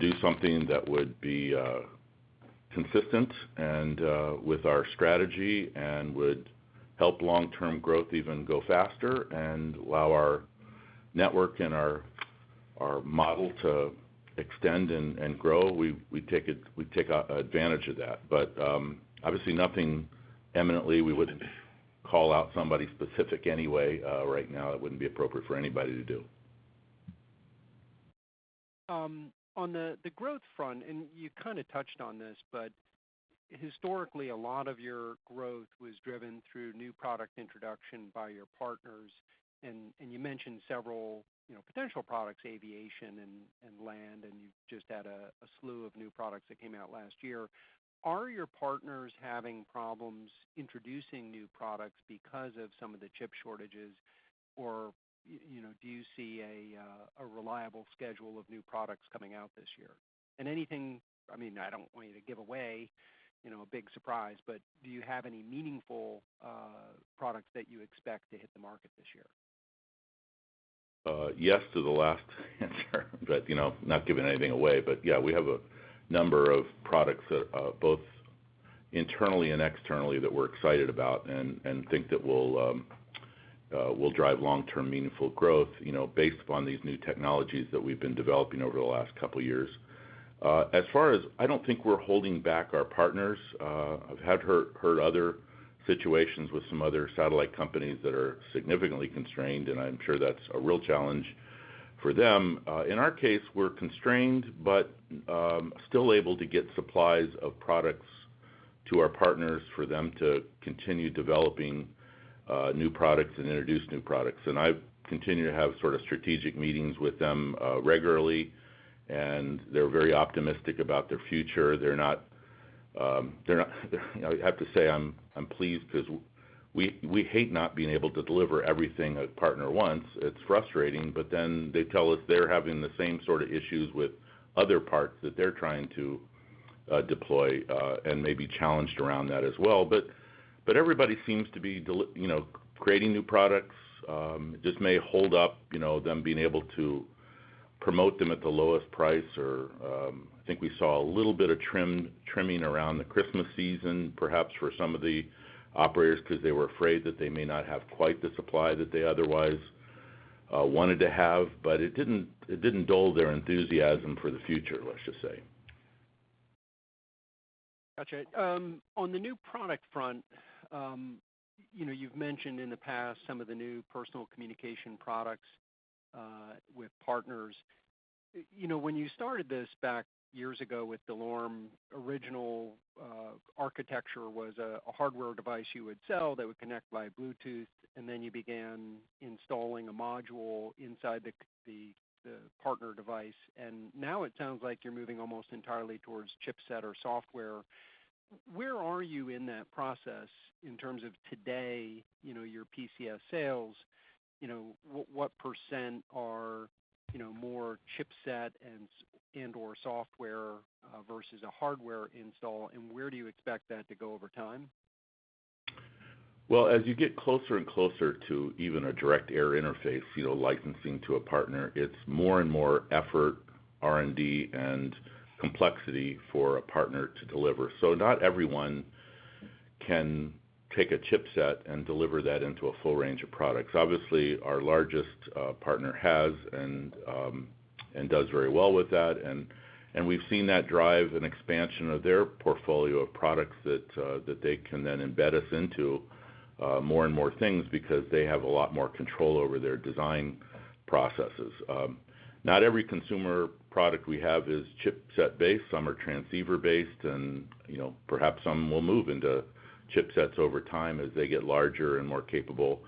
do something that would be consistent and with our strategy and would help long-term growth even go faster and allow our network and our model to extend and grow, we'd take advantage of that. Obviously nothing imminently. We wouldn't call out somebody specific anyway. Right now that wouldn't be appropriate for anybody to do. On the growth front, you kind of touched on this, but historically, a lot of your growth was driven through new product introduction by your partners. You mentioned several, you know, potential products, aviation and land, and you've just had a slew of new products that came out last year. Are your partners having problems introducing new products because of some of the chip shortages? Or you know, do you see a reliable schedule of new products coming out this year? Anything, I mean, I don't want you to give away, you know, a big surprise, but do you have any meaningful products that you expect to hit the market this year? Yes to the last answer, but, you know, not giving anything away. Yeah, we have a number of products, both internally and externally, that we're excited about and think that will drive long-term meaningful growth, you know, based upon these new technologies that we've been developing over the last couple years. As far as, I don't think we're holding back our partners. I've heard other situations with some other satellite companies that are significantly constrained, and I'm sure that's a real challenge for them. In our case, we're constrained but still able to get supplies of products to our partners for them to continue developing new products and introduce new products. I continue to have sort of strategic meetings with them regularly, and they're very optimistic about their future. They're not. You know, I have to say I'm pleased because we hate not being able to deliver everything a partner wants. It's frustrating, but then they tell us they're having the same sort of issues with other parts that they're trying to deploy, and may be challenged around that as well. Everybody seems to be, you know, creating new products. It just may hold up, you know, them being able to promote them at the lowest price or. I think we saw a little bit of trimming around the Christmas season, perhaps for some of the operators, because they were afraid that they may not have quite the supply that they otherwise wanted to have. It didn't dull their enthusiasm for the future, let's just say. Got you. On the new product front, you know, you've mentioned in the past some of the new personal communication products with partners. You know, when you started this back years ago with DeLorme, original architecture was a hardware device you would sell that would connect via bluetooth, and then you began installing a module inside the partner device. Now it sounds like you're moving almost entirely towards chipset or software. Where are you in that process in terms of today, you know, your PCS sales? You know, what percent are more chipset and/or software versus a hardware install, and where do you expect that to go over time? Well, as you get closer and closer to even a direct air interface, you know, licensing to a partner, it's more and more effort, R&D, and complexity for a partner to deliver. Not everyone can take a chipset and deliver that into a full range of products. Obviously, our largest partner has and does very well with that. We've seen that drive an expansion of their portfolio of products that they can then embed us into more and more things because they have a lot more control over their design processes. Not every consumer product we have is chipset-based. Some are transceiver-based and, you know, perhaps some will move into chipsets over time as they get larger and more capable.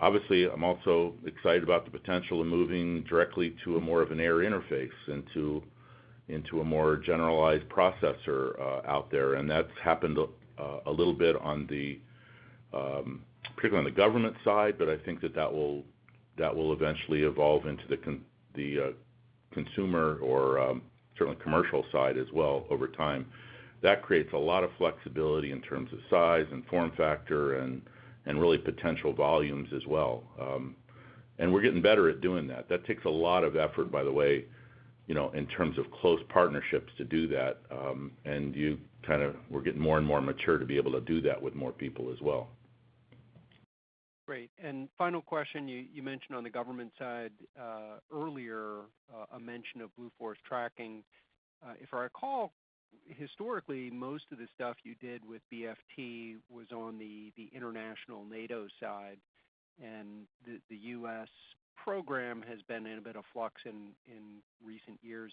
Obviously, I'm also excited about the potential of moving directly to a more of an air interface into a more generalized processor out there. That's happened a little bit on the particularly on the government side, but I think that will eventually evolve into the consumer or certainly commercial side as well over time. That creates a lot of flexibility in terms of size and form factor and really potential volumes as well. We're getting better at doing that. That takes a lot of effort, by the way, you know, in terms of close partnerships to do that. We're getting more and more mature to be able to do that with more people as well. Great. Final question, you mentioned on the government side earlier a mention of Blue Force Tracking. If I recall, historically, most of the stuff you did with BFT was on the international NATO side, and the U.S. program has been in a bit of flux in recent years.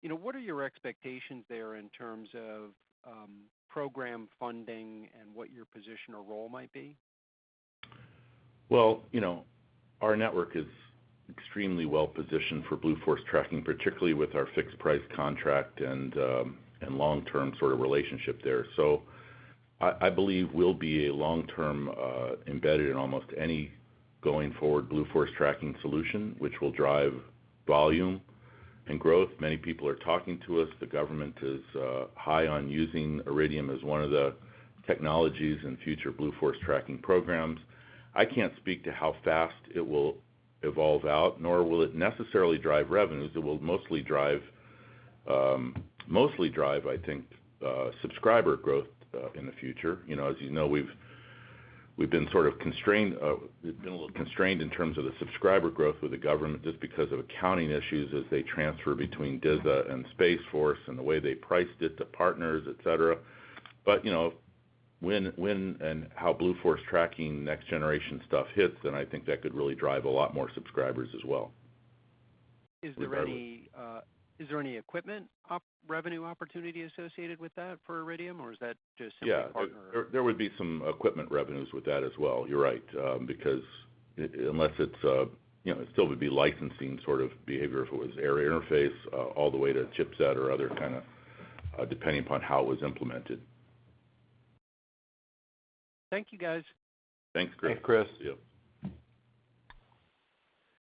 You know, what are your expectations there in terms of program funding and what your position or role might be? Well, you know, our network is extremely well-positioned for Blue Force Tracking, particularly with our fixed price contract and long-term sort of relationship there. I believe we'll be a long-term embedded in almost any going forward Blue Force Tracking solution, which will drive volume and growth. Many people are talking to us. The government is high on using Iridium as one of the technologies in future Blue Force Tracking programs. I can't speak to how fast it will evolve out, nor will it necessarily drive revenues. It will mostly drive, I think, subscriber growth in the future. You know, as you know, we've been a little constrained in terms of the subscriber growth with the government just because of accounting issues as they transfer between DISA and US Space Force and the way they priced it to partners, et cetera. You know, when and how Blue Force Tracking next generation stuff hits, then I think that could really drive a lot more subscribers as well regardless. Is there any equipment revenue opportunity associated with that for Iridium, or is that just some of the partner? Yeah. There would be some equipment revenues with that as well. You're right. Because unless it's, you know, it still would be licensing sort of behavior if it was air interface, all the way to chipset or other kind of, depending upon how it was implemented. Thank you, guys. Thanks, Chris. Thanks, Chris. Yeah.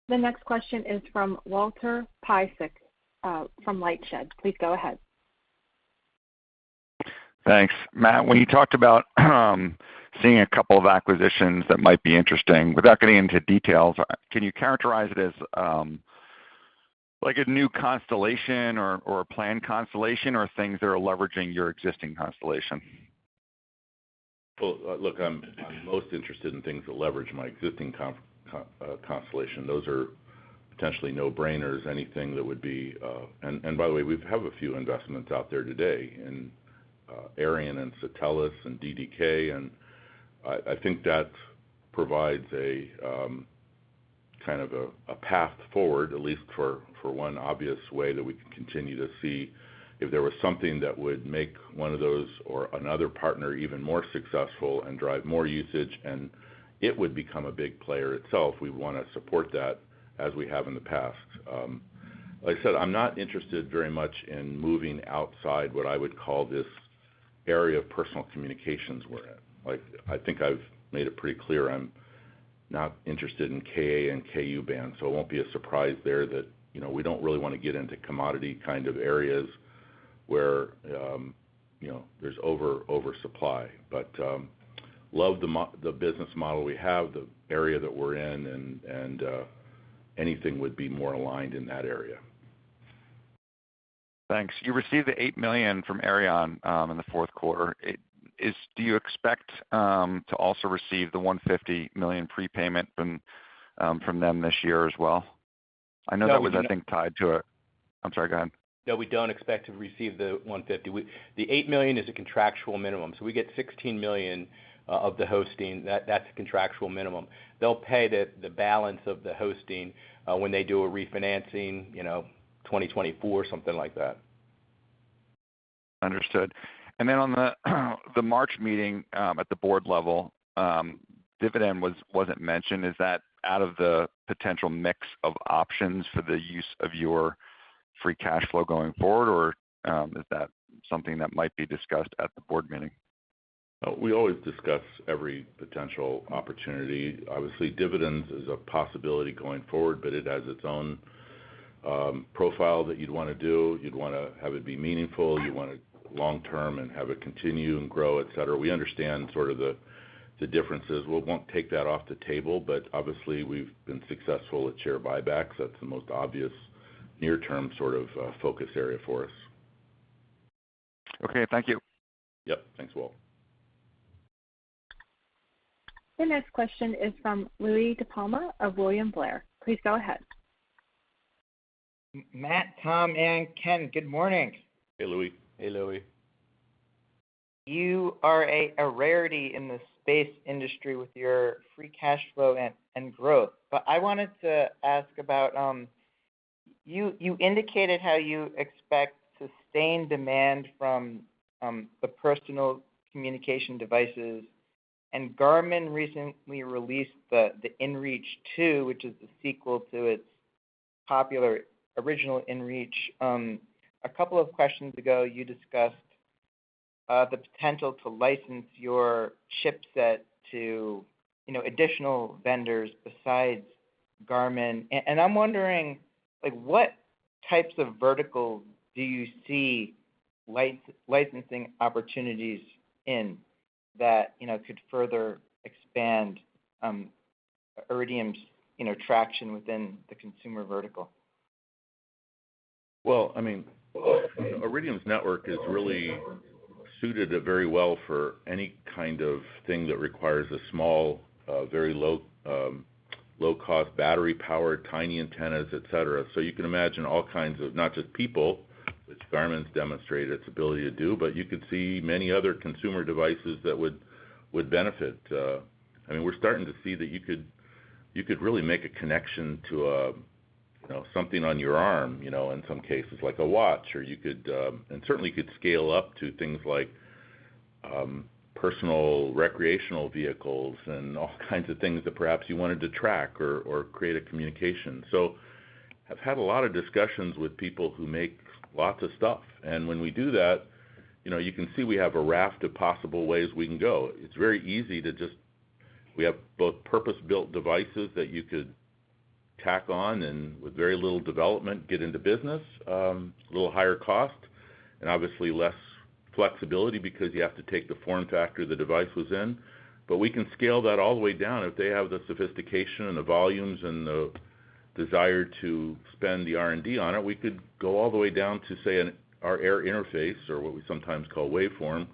The next question is from Walter Piecyk, from LightShed. Please go ahead. Thanks. Matt, when you talked about seeing a couple of acquisitions that might be interesting, without getting into details, can you characterize it as like a new constellation or a planned constellation or things that are leveraging your existing constellation? Look, I'm most interested in things that leverage my existing constellation. Those are potentially no-brainers, anything that would be. By the way, we have a few investments out there today in Aireon and Satelles and DDK, and I think that provides a kind of a path forward, at least for one obvious way that we can continue to see if there was something that would make one of those or another partner even more successful and drive more usage, and it would become a big player itself. We want to support that as we have in the past. Like I said, I'm not interested very much in moving outside what I would call this area of personal communications we're in. Like, I think I've made it pretty clear I'm not interested in Ka and Ku band, so it won't be a surprise there that, you know, we don't really wanna get into commodity kind of areas where, you know, there's oversupply. Love the business model we have, the area that we're in, and anything would be more aligned in that area. Thanks. You received the $8 million from Aireon in the fourth quarter. Do you expect to also receive the $150 million prepayment from them this year as well? No, we do not. I know that was, I think, tied to it. I'm sorry, go ahead. No, we don't expect to receive the $150. We, the $8 million is a contractual minimum, so we get $16 million of the hosting. That's a contractual minimum. They'll pay the balance of the hosting when they do a refinancing, you know, 2024, something like that. Understood. On the March meeting at the board level, dividend wasn't mentioned. Is that out of the potential mix of options for the use of your free cash flow going forward, or is that something that might be discussed at the board meeting? We always discuss every potential opportunity. Obviously, dividends is a possibility going forward, but it has its own, profile that you'd wanna do. You'd wanna have it be meaningful. You want it long term and have it continue and grow, et cetera. We understand sort of the differences. We won't take that off the table, but obviously we've been successful at share buybacks. That's the most obvious near-term sort of, focus area for us. Okay, thank you. Yep, thanks, Walt. The next question is from Louie DiPalma of William Blair. Please go ahead. Matt, Tom, and Ken, good morning. Hey, Louie. Hey, Louie. You are a rarity in the space industry with your free cash flow and growth. I wanted to ask about you indicated how you expect sustained demand from the personal communication devices, and Garmin recently released the inReach 2, which is the sequel to its popular original inReach. A couple of questions ago, you discussed the potential to license your chipset to, you know, additional vendors besides Garmin. I'm wondering, like, what types of verticals do you see licensing opportunities in that, you know, could further expand Iridium's, you know, traction within the consumer vertical? Well, I mean, Iridium's network is really suited very well for any kind of thing that requires a small, very low, low-cost, battery-powered, tiny antennas, et cetera. You can imagine all kinds of, not just people, which Garmin's demonstrated its ability to do, but you could see many other consumer devices that would benefit. I mean, we're starting to see that you could really make a connection to a, you know, something on your arm, you know, in some cases, like a watch, or you could and certainly could scale up to things like personal recreational vehicles and all kinds of things that perhaps you wanted to track or create a communication. I've had a lot of discussions with people who make lots of stuff. When we do that, you know, you can see we have a raft of possible ways we can go. It's very easy to. We have both purpose-built devices that you could tack on and with very little development, get into business, a little higher cost, and obviously less flexibility because you have to take the form factor the device was in. We can scale that all the way down. If they have the sophistication and the volumes and the desire to spend the R&D on it, we could go all the way down to, say, our air interface or what we sometimes call waveform,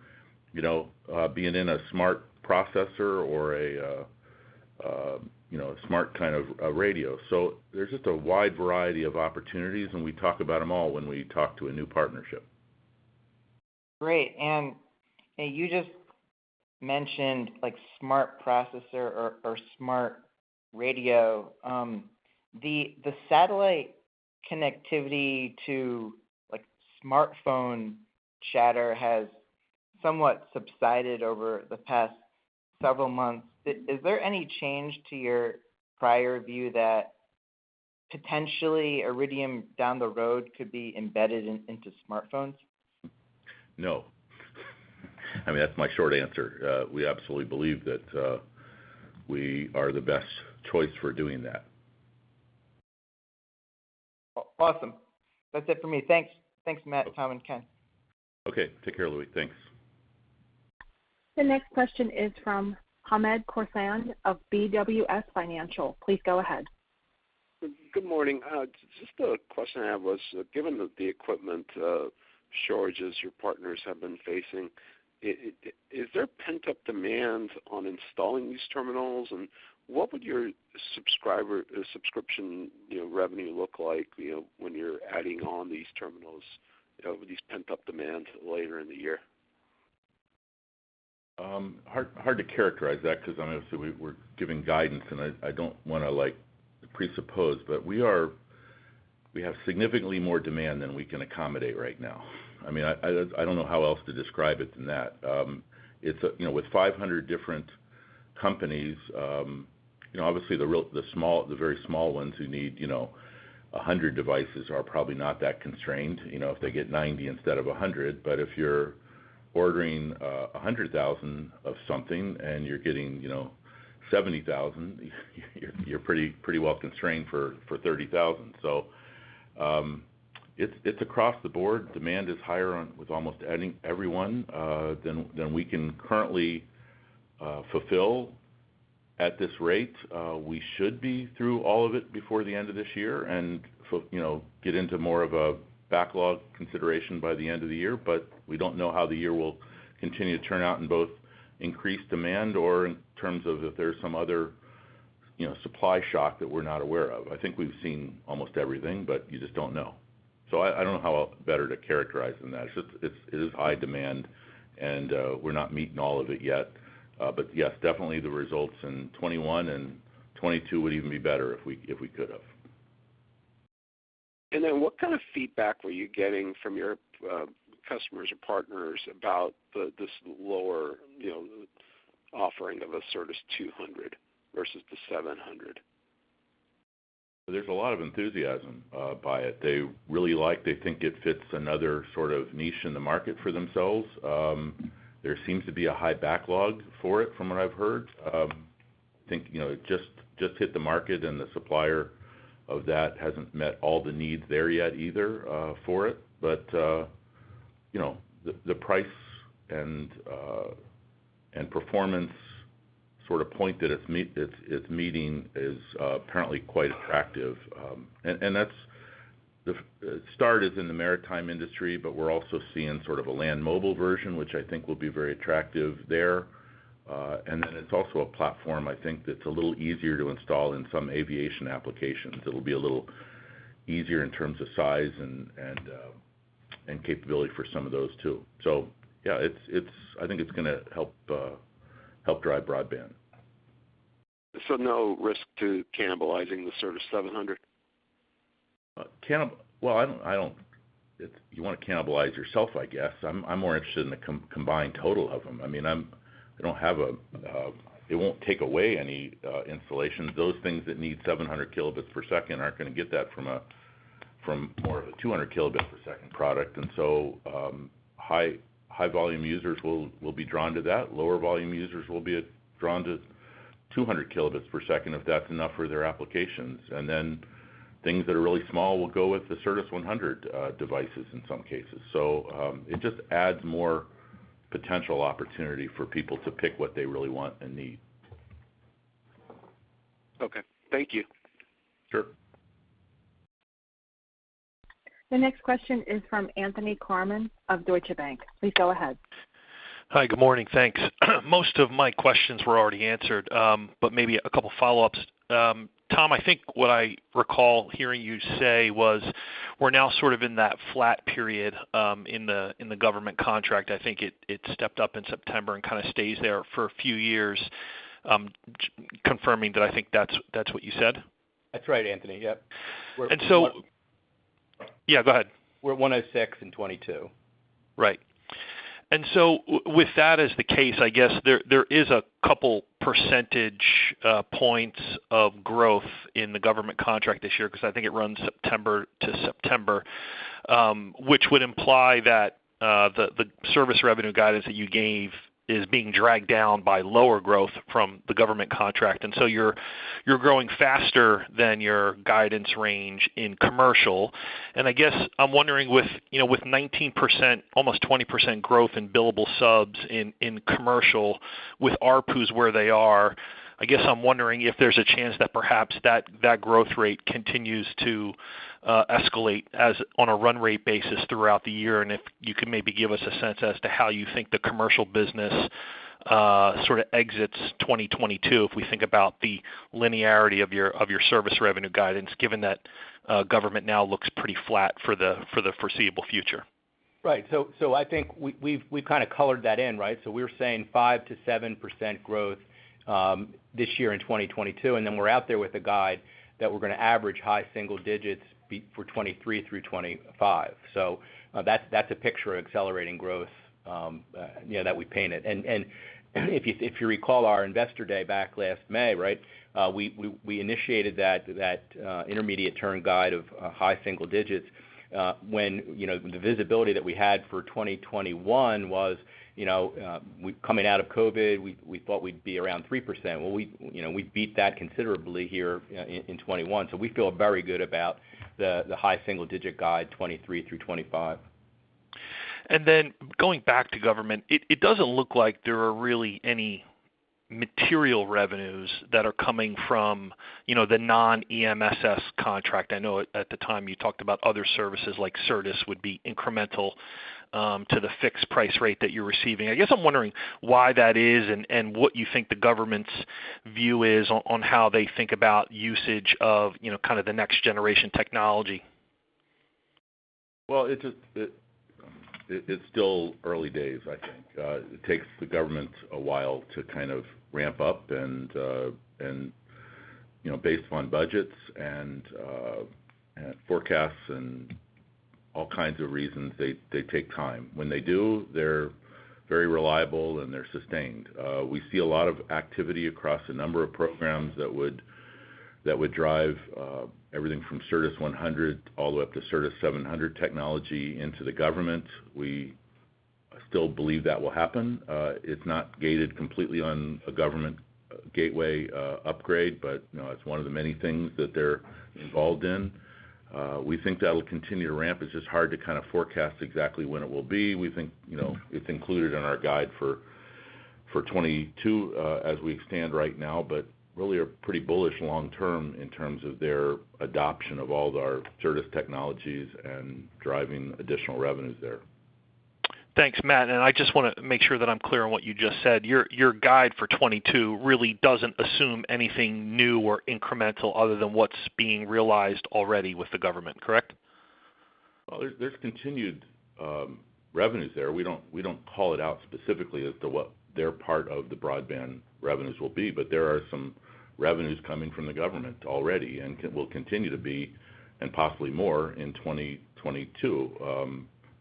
you know, being in a smart processor or a, you know, a smart kind of radio. There's just a wide variety of opportunities, and we talk about them all when we talk to a new partnership. Great. You just mentioned like smart processor or smart radio. The satellite connectivity to like smartphone chatter has somewhat subsided over the past several months. Is there any change to your prior view that potentially Iridium down the road could be embedded in, into smartphones? No. I mean, that's my short answer. We absolutely believe that, we are the best choice for doing that. Awesome. That's it for me. Thanks. Thanks, Matt, Tom, and Ken. Okay. Take care, Louie. Thanks. The next question is from Hamed Khorsand of BWS Financial. Please go ahead. Good morning. Just a question I have was, given the equipment shortages your partners have been facing, is there pent-up demand on installing these terminals? What would your subscriber subscription, you know, revenue look like, you know, when you're adding on these terminals, you know, with these pent-up demands later in the year? Hard to characterize that because, obviously, we're giving guidance, and I don't wanna, like, presuppose, but we have significantly more demand than we can accommodate right now. I mean, I don't know how else to describe it than that. It's, you know, with 500 different companies, you know, obviously the very small ones who need, you know, 100 devices are probably not that constrained, you know, if they get 90 instead of 100. If you're ordering a 100,000 of something and you're getting, you know, 70,000, you're pretty well constrained for 30,000. It's across the board. Demand is higher with almost everyone than we can currently fulfill at this rate. We should be through all of it before the end of this year and for, you know, get into more of a backlog consideration by the end of the year, but we don't know how the year will continue to turn out in both increased demand or in terms of if there's some other, you know, supply shock that we're not aware of. I think we've seen almost everything, but you just don't know. I don't know how better to characterize than that. It is high demand and we're not meeting all of it yet. Yes, definitely the results in 2021 and 2022 would even be better if we could've. What kind of feedback were you getting from your customers or partners about this lower, you know, offering of a Certus 200 versus the 700? There's a lot of enthusiasm about it. They think it fits another sort of niche in the market for themselves. There seems to be a high backlog for it from what I've heard. I think, you know, it just hit the market and the supplier of that hasn't met all the needs there yet either for it. You know, the price and performance sort of point that it's meeting is apparently quite attractive. It started in the maritime industry, but we're also seeing sort of a land mobile version, which I think will be very attractive there. It's also a platform I think that's a little easier to install in some aviation applications. It'll be a little easier in terms of size and capability for some of those too. Yeah, I think it's gonna help drive broadband. No risk to cannibalizing the Certus 700? Well, I don't. If you wanna cannibalize yourself, I guess. I'm more interested in the combined total of them. I mean, it won't take away any installations. Those things that need 700 kbps aren't gonna get that from more of a 200 kbps product. High volume users will be drawn to that. Lower volume users will be drawn to 200 kbps if that's enough for their applications. Things that are really small will go with the Certus 100 devices in some cases. It just adds more potential opportunity for people to pick what they really want and need. Okay. Thank you. Sure. The next question is from Anthony Klarman of Deutsche Bank. Please go ahead. Hi, good morning. Thanks. Most of my questions were already answered, but maybe a couple follow-ups. Tom, I think what I recall hearing you say was, we're now sort of in that flat period in the government contract. I think it stepped up in September and kind of stays there for a few years. Confirming that I think that's what you said. That's right, Anthony. Yep. Yeah, go ahead. We're at 106 in 2022. Right. With that as the case, I guess there is a couple percentage points of growth in the government contract this year, 'cause I think it runs September to September, which would imply that the service revenue guidance that you gave is being dragged down by lower growth from the government contract. You're growing faster than your guidance range in commercial. I guess I'm wondering with, you know, with 19%, almost 20% growth in billable subs in commercial with ARPU is where they are. I guess I'm wondering if there's a chance that perhaps that growth rate continues to escalate as on a run rate basis throughout the year, and if you could maybe give us a sense as to how you think the commercial business sort of exits 2022 if we think about the linearity of your service revenue guidance, given that government now looks pretty flat for the foreseeable future. Right. I think we've kind of colored that in, right? We're saying 5%-7% growth this year in 2022, and then we're out there with a guide that we're gonna average high single digits for 2023 through 2025. That's a picture of accelerating growth, you know, that we painted. If you recall our investor day back last May, right, we initiated that intermediate term guide of high single digits when, you know, the visibility that we had for 2021 was, you know, coming out of COVID, we thought we'd be around 3%. Well, we beat that considerably here in 2021. We feel very good about the high single digit guide, 2023 through 2025. Then going back to government, it doesn't look like there are really any material revenues that are coming from, you know, the non-EMSS contract. I know at the time you talked about other services like Certus would be incremental to the fixed price rate that you're receiving. I guess I'm wondering why that is and what you think the government's view is on how they think about usage of, you know, kind of the next generation technology. Well, it's still early days, I think. It takes the government a while to kind of ramp up and, you know, based on budgets and forecasts and all kinds of reasons. They take time. When they do, they're very reliable and they're sustained. We see a lot of activity across a number of programs that would drive everything from Certus 100 all the way up to Certus 700 technology into the government. We still believe that will happen. It's not gated completely on a government gateway upgrade, but, you know, it's one of the many things that they're involved in. We think that'll continue to ramp. It's just hard to kind of forecast exactly when it will be. We think, you know, it's included in our guide for 2022, as we stand right now, but really are pretty bullish long term in terms of their adoption of all of our Certus technologies and driving additional revenues there. Thanks, Matt. I just wanna make sure that I'm clear on what you just said. Your guide for 2022 really doesn't assume anything new or incremental other than what's being realized already with the government, correct? There's continued revenues there. We don't call it out specifically as to what their part of the broadband revenues will be, but there are some revenues coming from the government already and will continue to be, and possibly more in 2022 as well.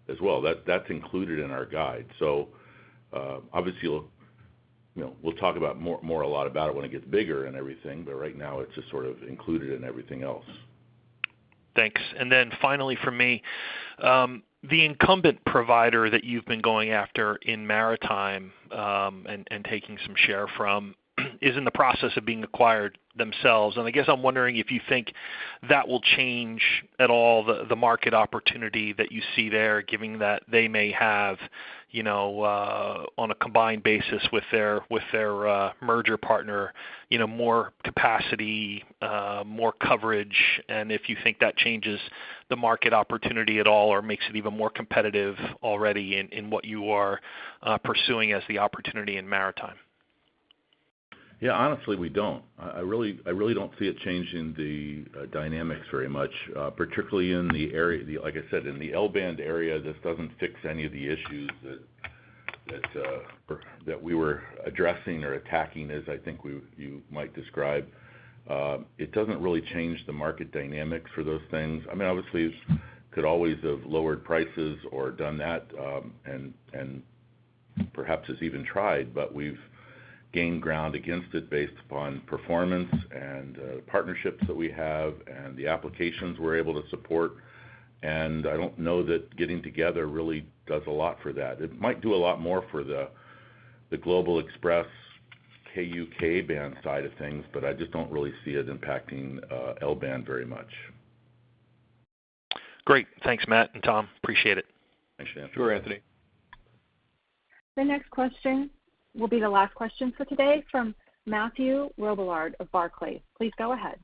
That's included in our guide. Obviously, we'll you know talk about more a lot about it when it gets bigger and everything, but right now, it's just sort of included in everything else. Thanks. Then finally from me, the incumbent provider that you've been going after in maritime, and taking some share from, is in the process of being acquired themselves. I guess I'm wondering if you think that will change at all the market opportunity that you see there, given that they may have, you know, on a combined basis with their merger partner, you know, more capacity, more coverage, and if you think that changes the market opportunity at all or makes it even more competitive already in what you are pursuing as the opportunity in maritime. Yeah. Honestly, we don't. I really don't see it changing the dynamics very much, particularly in the area like I said, in the L-band area. This doesn't fix any of the issues that we were addressing or attacking, as I think you might describe. It doesn't really change the market dynamics for those things. I mean, obviously, it could always have lowered prices or done that, and perhaps it's even tried, but we've gained ground against it based upon performance and partnerships that we have and the applications we're able to support. I don't know that getting together really does a lot for that. It might do a lot more for the Global Xpress Ka-band side of things, but I just don't really see it impacting L-band very much. Great. Thanks, Matt and Tom. I appreciate it. Thanks, Anthony. Sure, Anthony. The next question will be the last question for today from Mathieu Robilliard of Barclays. Please go ahead.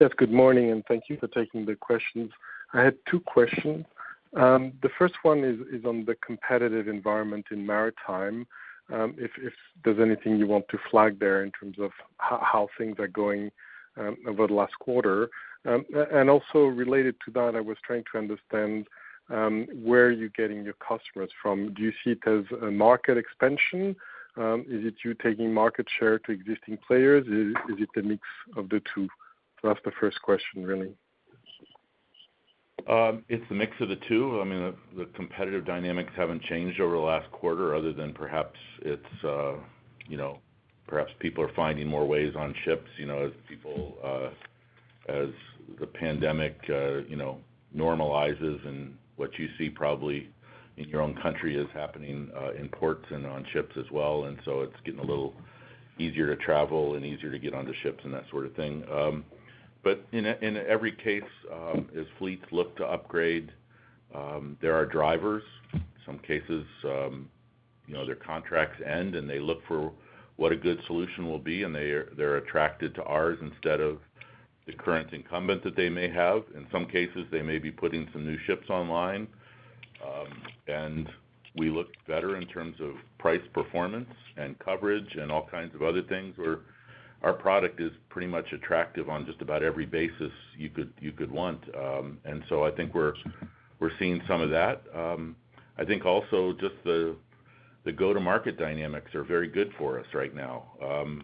Yes, good morning, and thank you for taking the questions. I had two questions. The first one is on the competitive environment in maritime, if there's anything you want to flag there in terms of how things are going over the last quarter. Also related to that, I was trying to understand where you're getting your customers from. Do you see it as a market expansion? Is it you taking market share from existing players? Is it a mix of the two? That's the first question, really. It's a mix of the two. I mean, the competitive dynamics haven't changed over the last quarter other than perhaps people are finding more ways on ships, you know, as the pandemic you know, normalizes and what you see probably in your own country is happening in ports and on ships as well. It's getting a little easier to travel and easier to get onto ships and that sort of thing. In every case, as fleets look to upgrade, there are drivers. Some cases, you know, their contracts end, and they look for what a good solution will be, and they're attracted to ours instead of the current incumbent that they may have. In some cases, they may be putting some new ships online, and we look better in terms of price performance and coverage and all kinds of other things where our product is pretty much attractive on just about every basis you could want. I think we're seeing some of that. I think also just the go-to market dynamics are very good for us right now.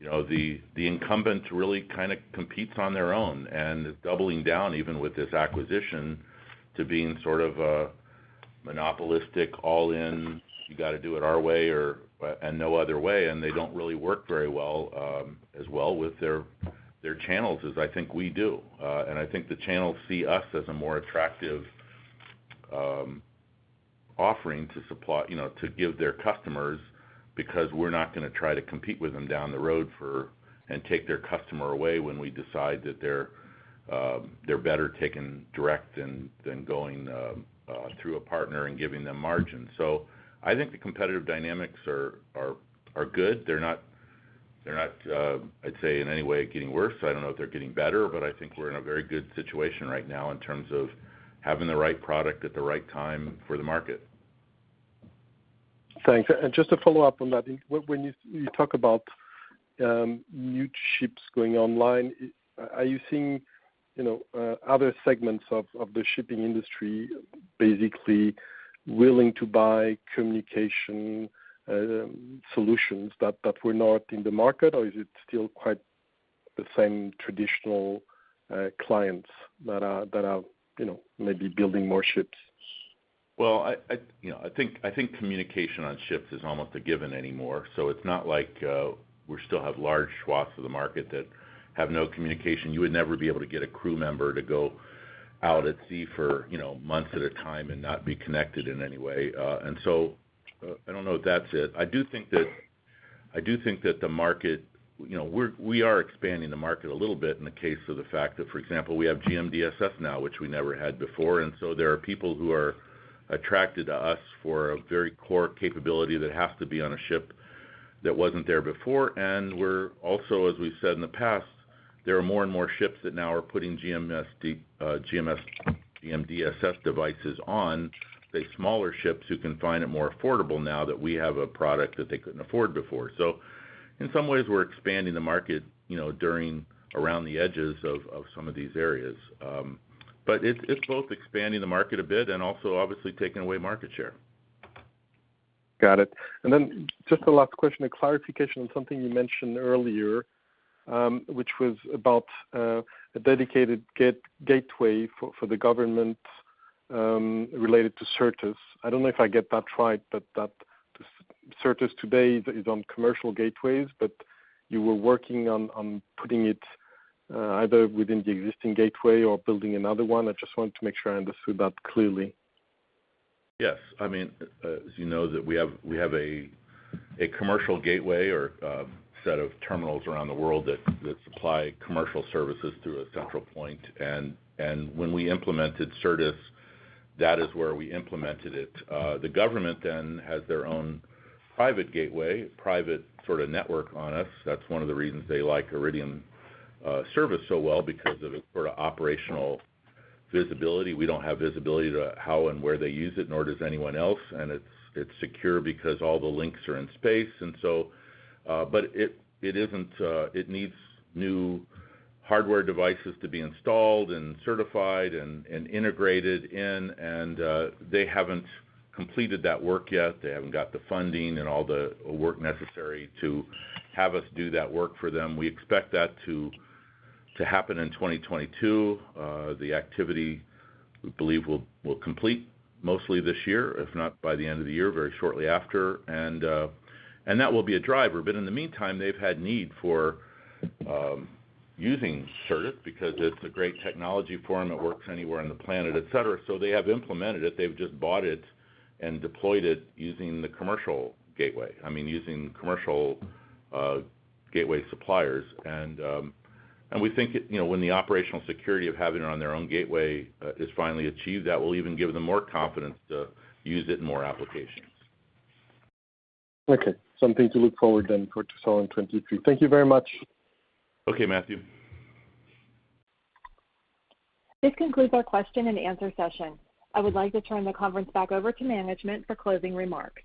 You know, the incumbents really kind of competes on their own and is doubling down even with this acquisition to being sort of a monopolistic all in, you gotta do it our way or and no other way, and they don't really work very well, as well with their channels as I think we do. I think the channels see us as a more attractive offering to supply, you know, to give their customers because we're not gonna try to compete with them down the road and take their customer away when we decide that they're better taken direct than going through a partner and giving them margins. I think the competitive dynamics are good. They're not, I'd say in any way getting worse. I don't know if they're getting better, but I think we're in a very good situation right now in terms of having the right product at the right time for the market. Thanks. Just to follow up on that, I think when you talk about new ships going online, are you seeing, you know, other segments of the shipping industry basically willing to buy communication solutions that were not in the market, or is it still quite the same traditional clients that are, you know, maybe building more ships? Well, you know, I think communication on ships is almost a given anymore, so it's not like we still have large swaths of the market that have no communication. You would never be able to get a crew member to go out at sea for, you know, months at a time and not be connected in any way. I don't know if that's it. I do think that the market, you know, we are expanding the market a little bit in the case of the fact that, for example, we have GMDSS now, which we never had before. There are people who are attracted to us for a very core capability that has to be on a ship that wasn't there before. We're also, as we've said in the past, there are more and more ships that now are putting GMDSS devices on the smaller ships who can find it more affordable now that we have a product that they couldn't afford before. In some ways, we're expanding the market, you know, during, around the edges of some of these areas. It's both expanding the market a bit and also obviously taking away market share. Got it. Just a last question, a clarification on something you mentioned earlier, which was about a dedicated gateway for the government related to Certus. I don't know if I get that right, but Certus today is on commercial gateways, but you were working on putting it either within the existing gateway or building another one. I just wanted to make sure I understood that clearly. Yes. I mean, as you know, we have a commercial gateway or set of terminals around the world that supply commercial services through a central point. When we implemented Certus, that is where we implemented it. The government then has their own private gateway, private sort of network on us. That's one of the reasons they like Iridium service so well because of the sort of operational visibility. We don't have visibility to how and where they use it, nor does anyone else. It's secure because all the links are in space. It needs new hardware devices to be installed and certified and integrated in. They haven't completed that work yet. They haven't got the funding and all the work necessary to have us do that work for them. We expect that to happen in 2022. The activity, we believe, will complete mostly this year, if not by the end of the year, very shortly after. That will be a driver. In the meantime, they've had need for using Certus because it's a great technology for them. It works anywhere on the planet, et cetera. They have implemented it. They've just bought it and deployed it using the commercial gateway. I mean, using commercial gateway suppliers. We think, you know, when the operational security of having it on their own gateway is finally achieved, that will even give them more confidence to use it in more applications. Okay. Something to look forward then for to sell in 2022. Thank you very much. Okay, Matthew. This concludes our question and answer session. I would like to turn the conference back over to management for closing remarks.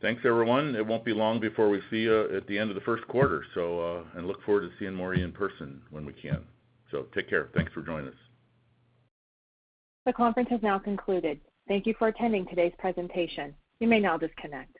Thanks, everyone. It won't be long before we see you at the end of the first quarter, so, I look forward to seeing more of you in person when we can. Take care. Thanks for joining us. The conference has now concluded. Thank you for attending today's presentation. You may now disconnect.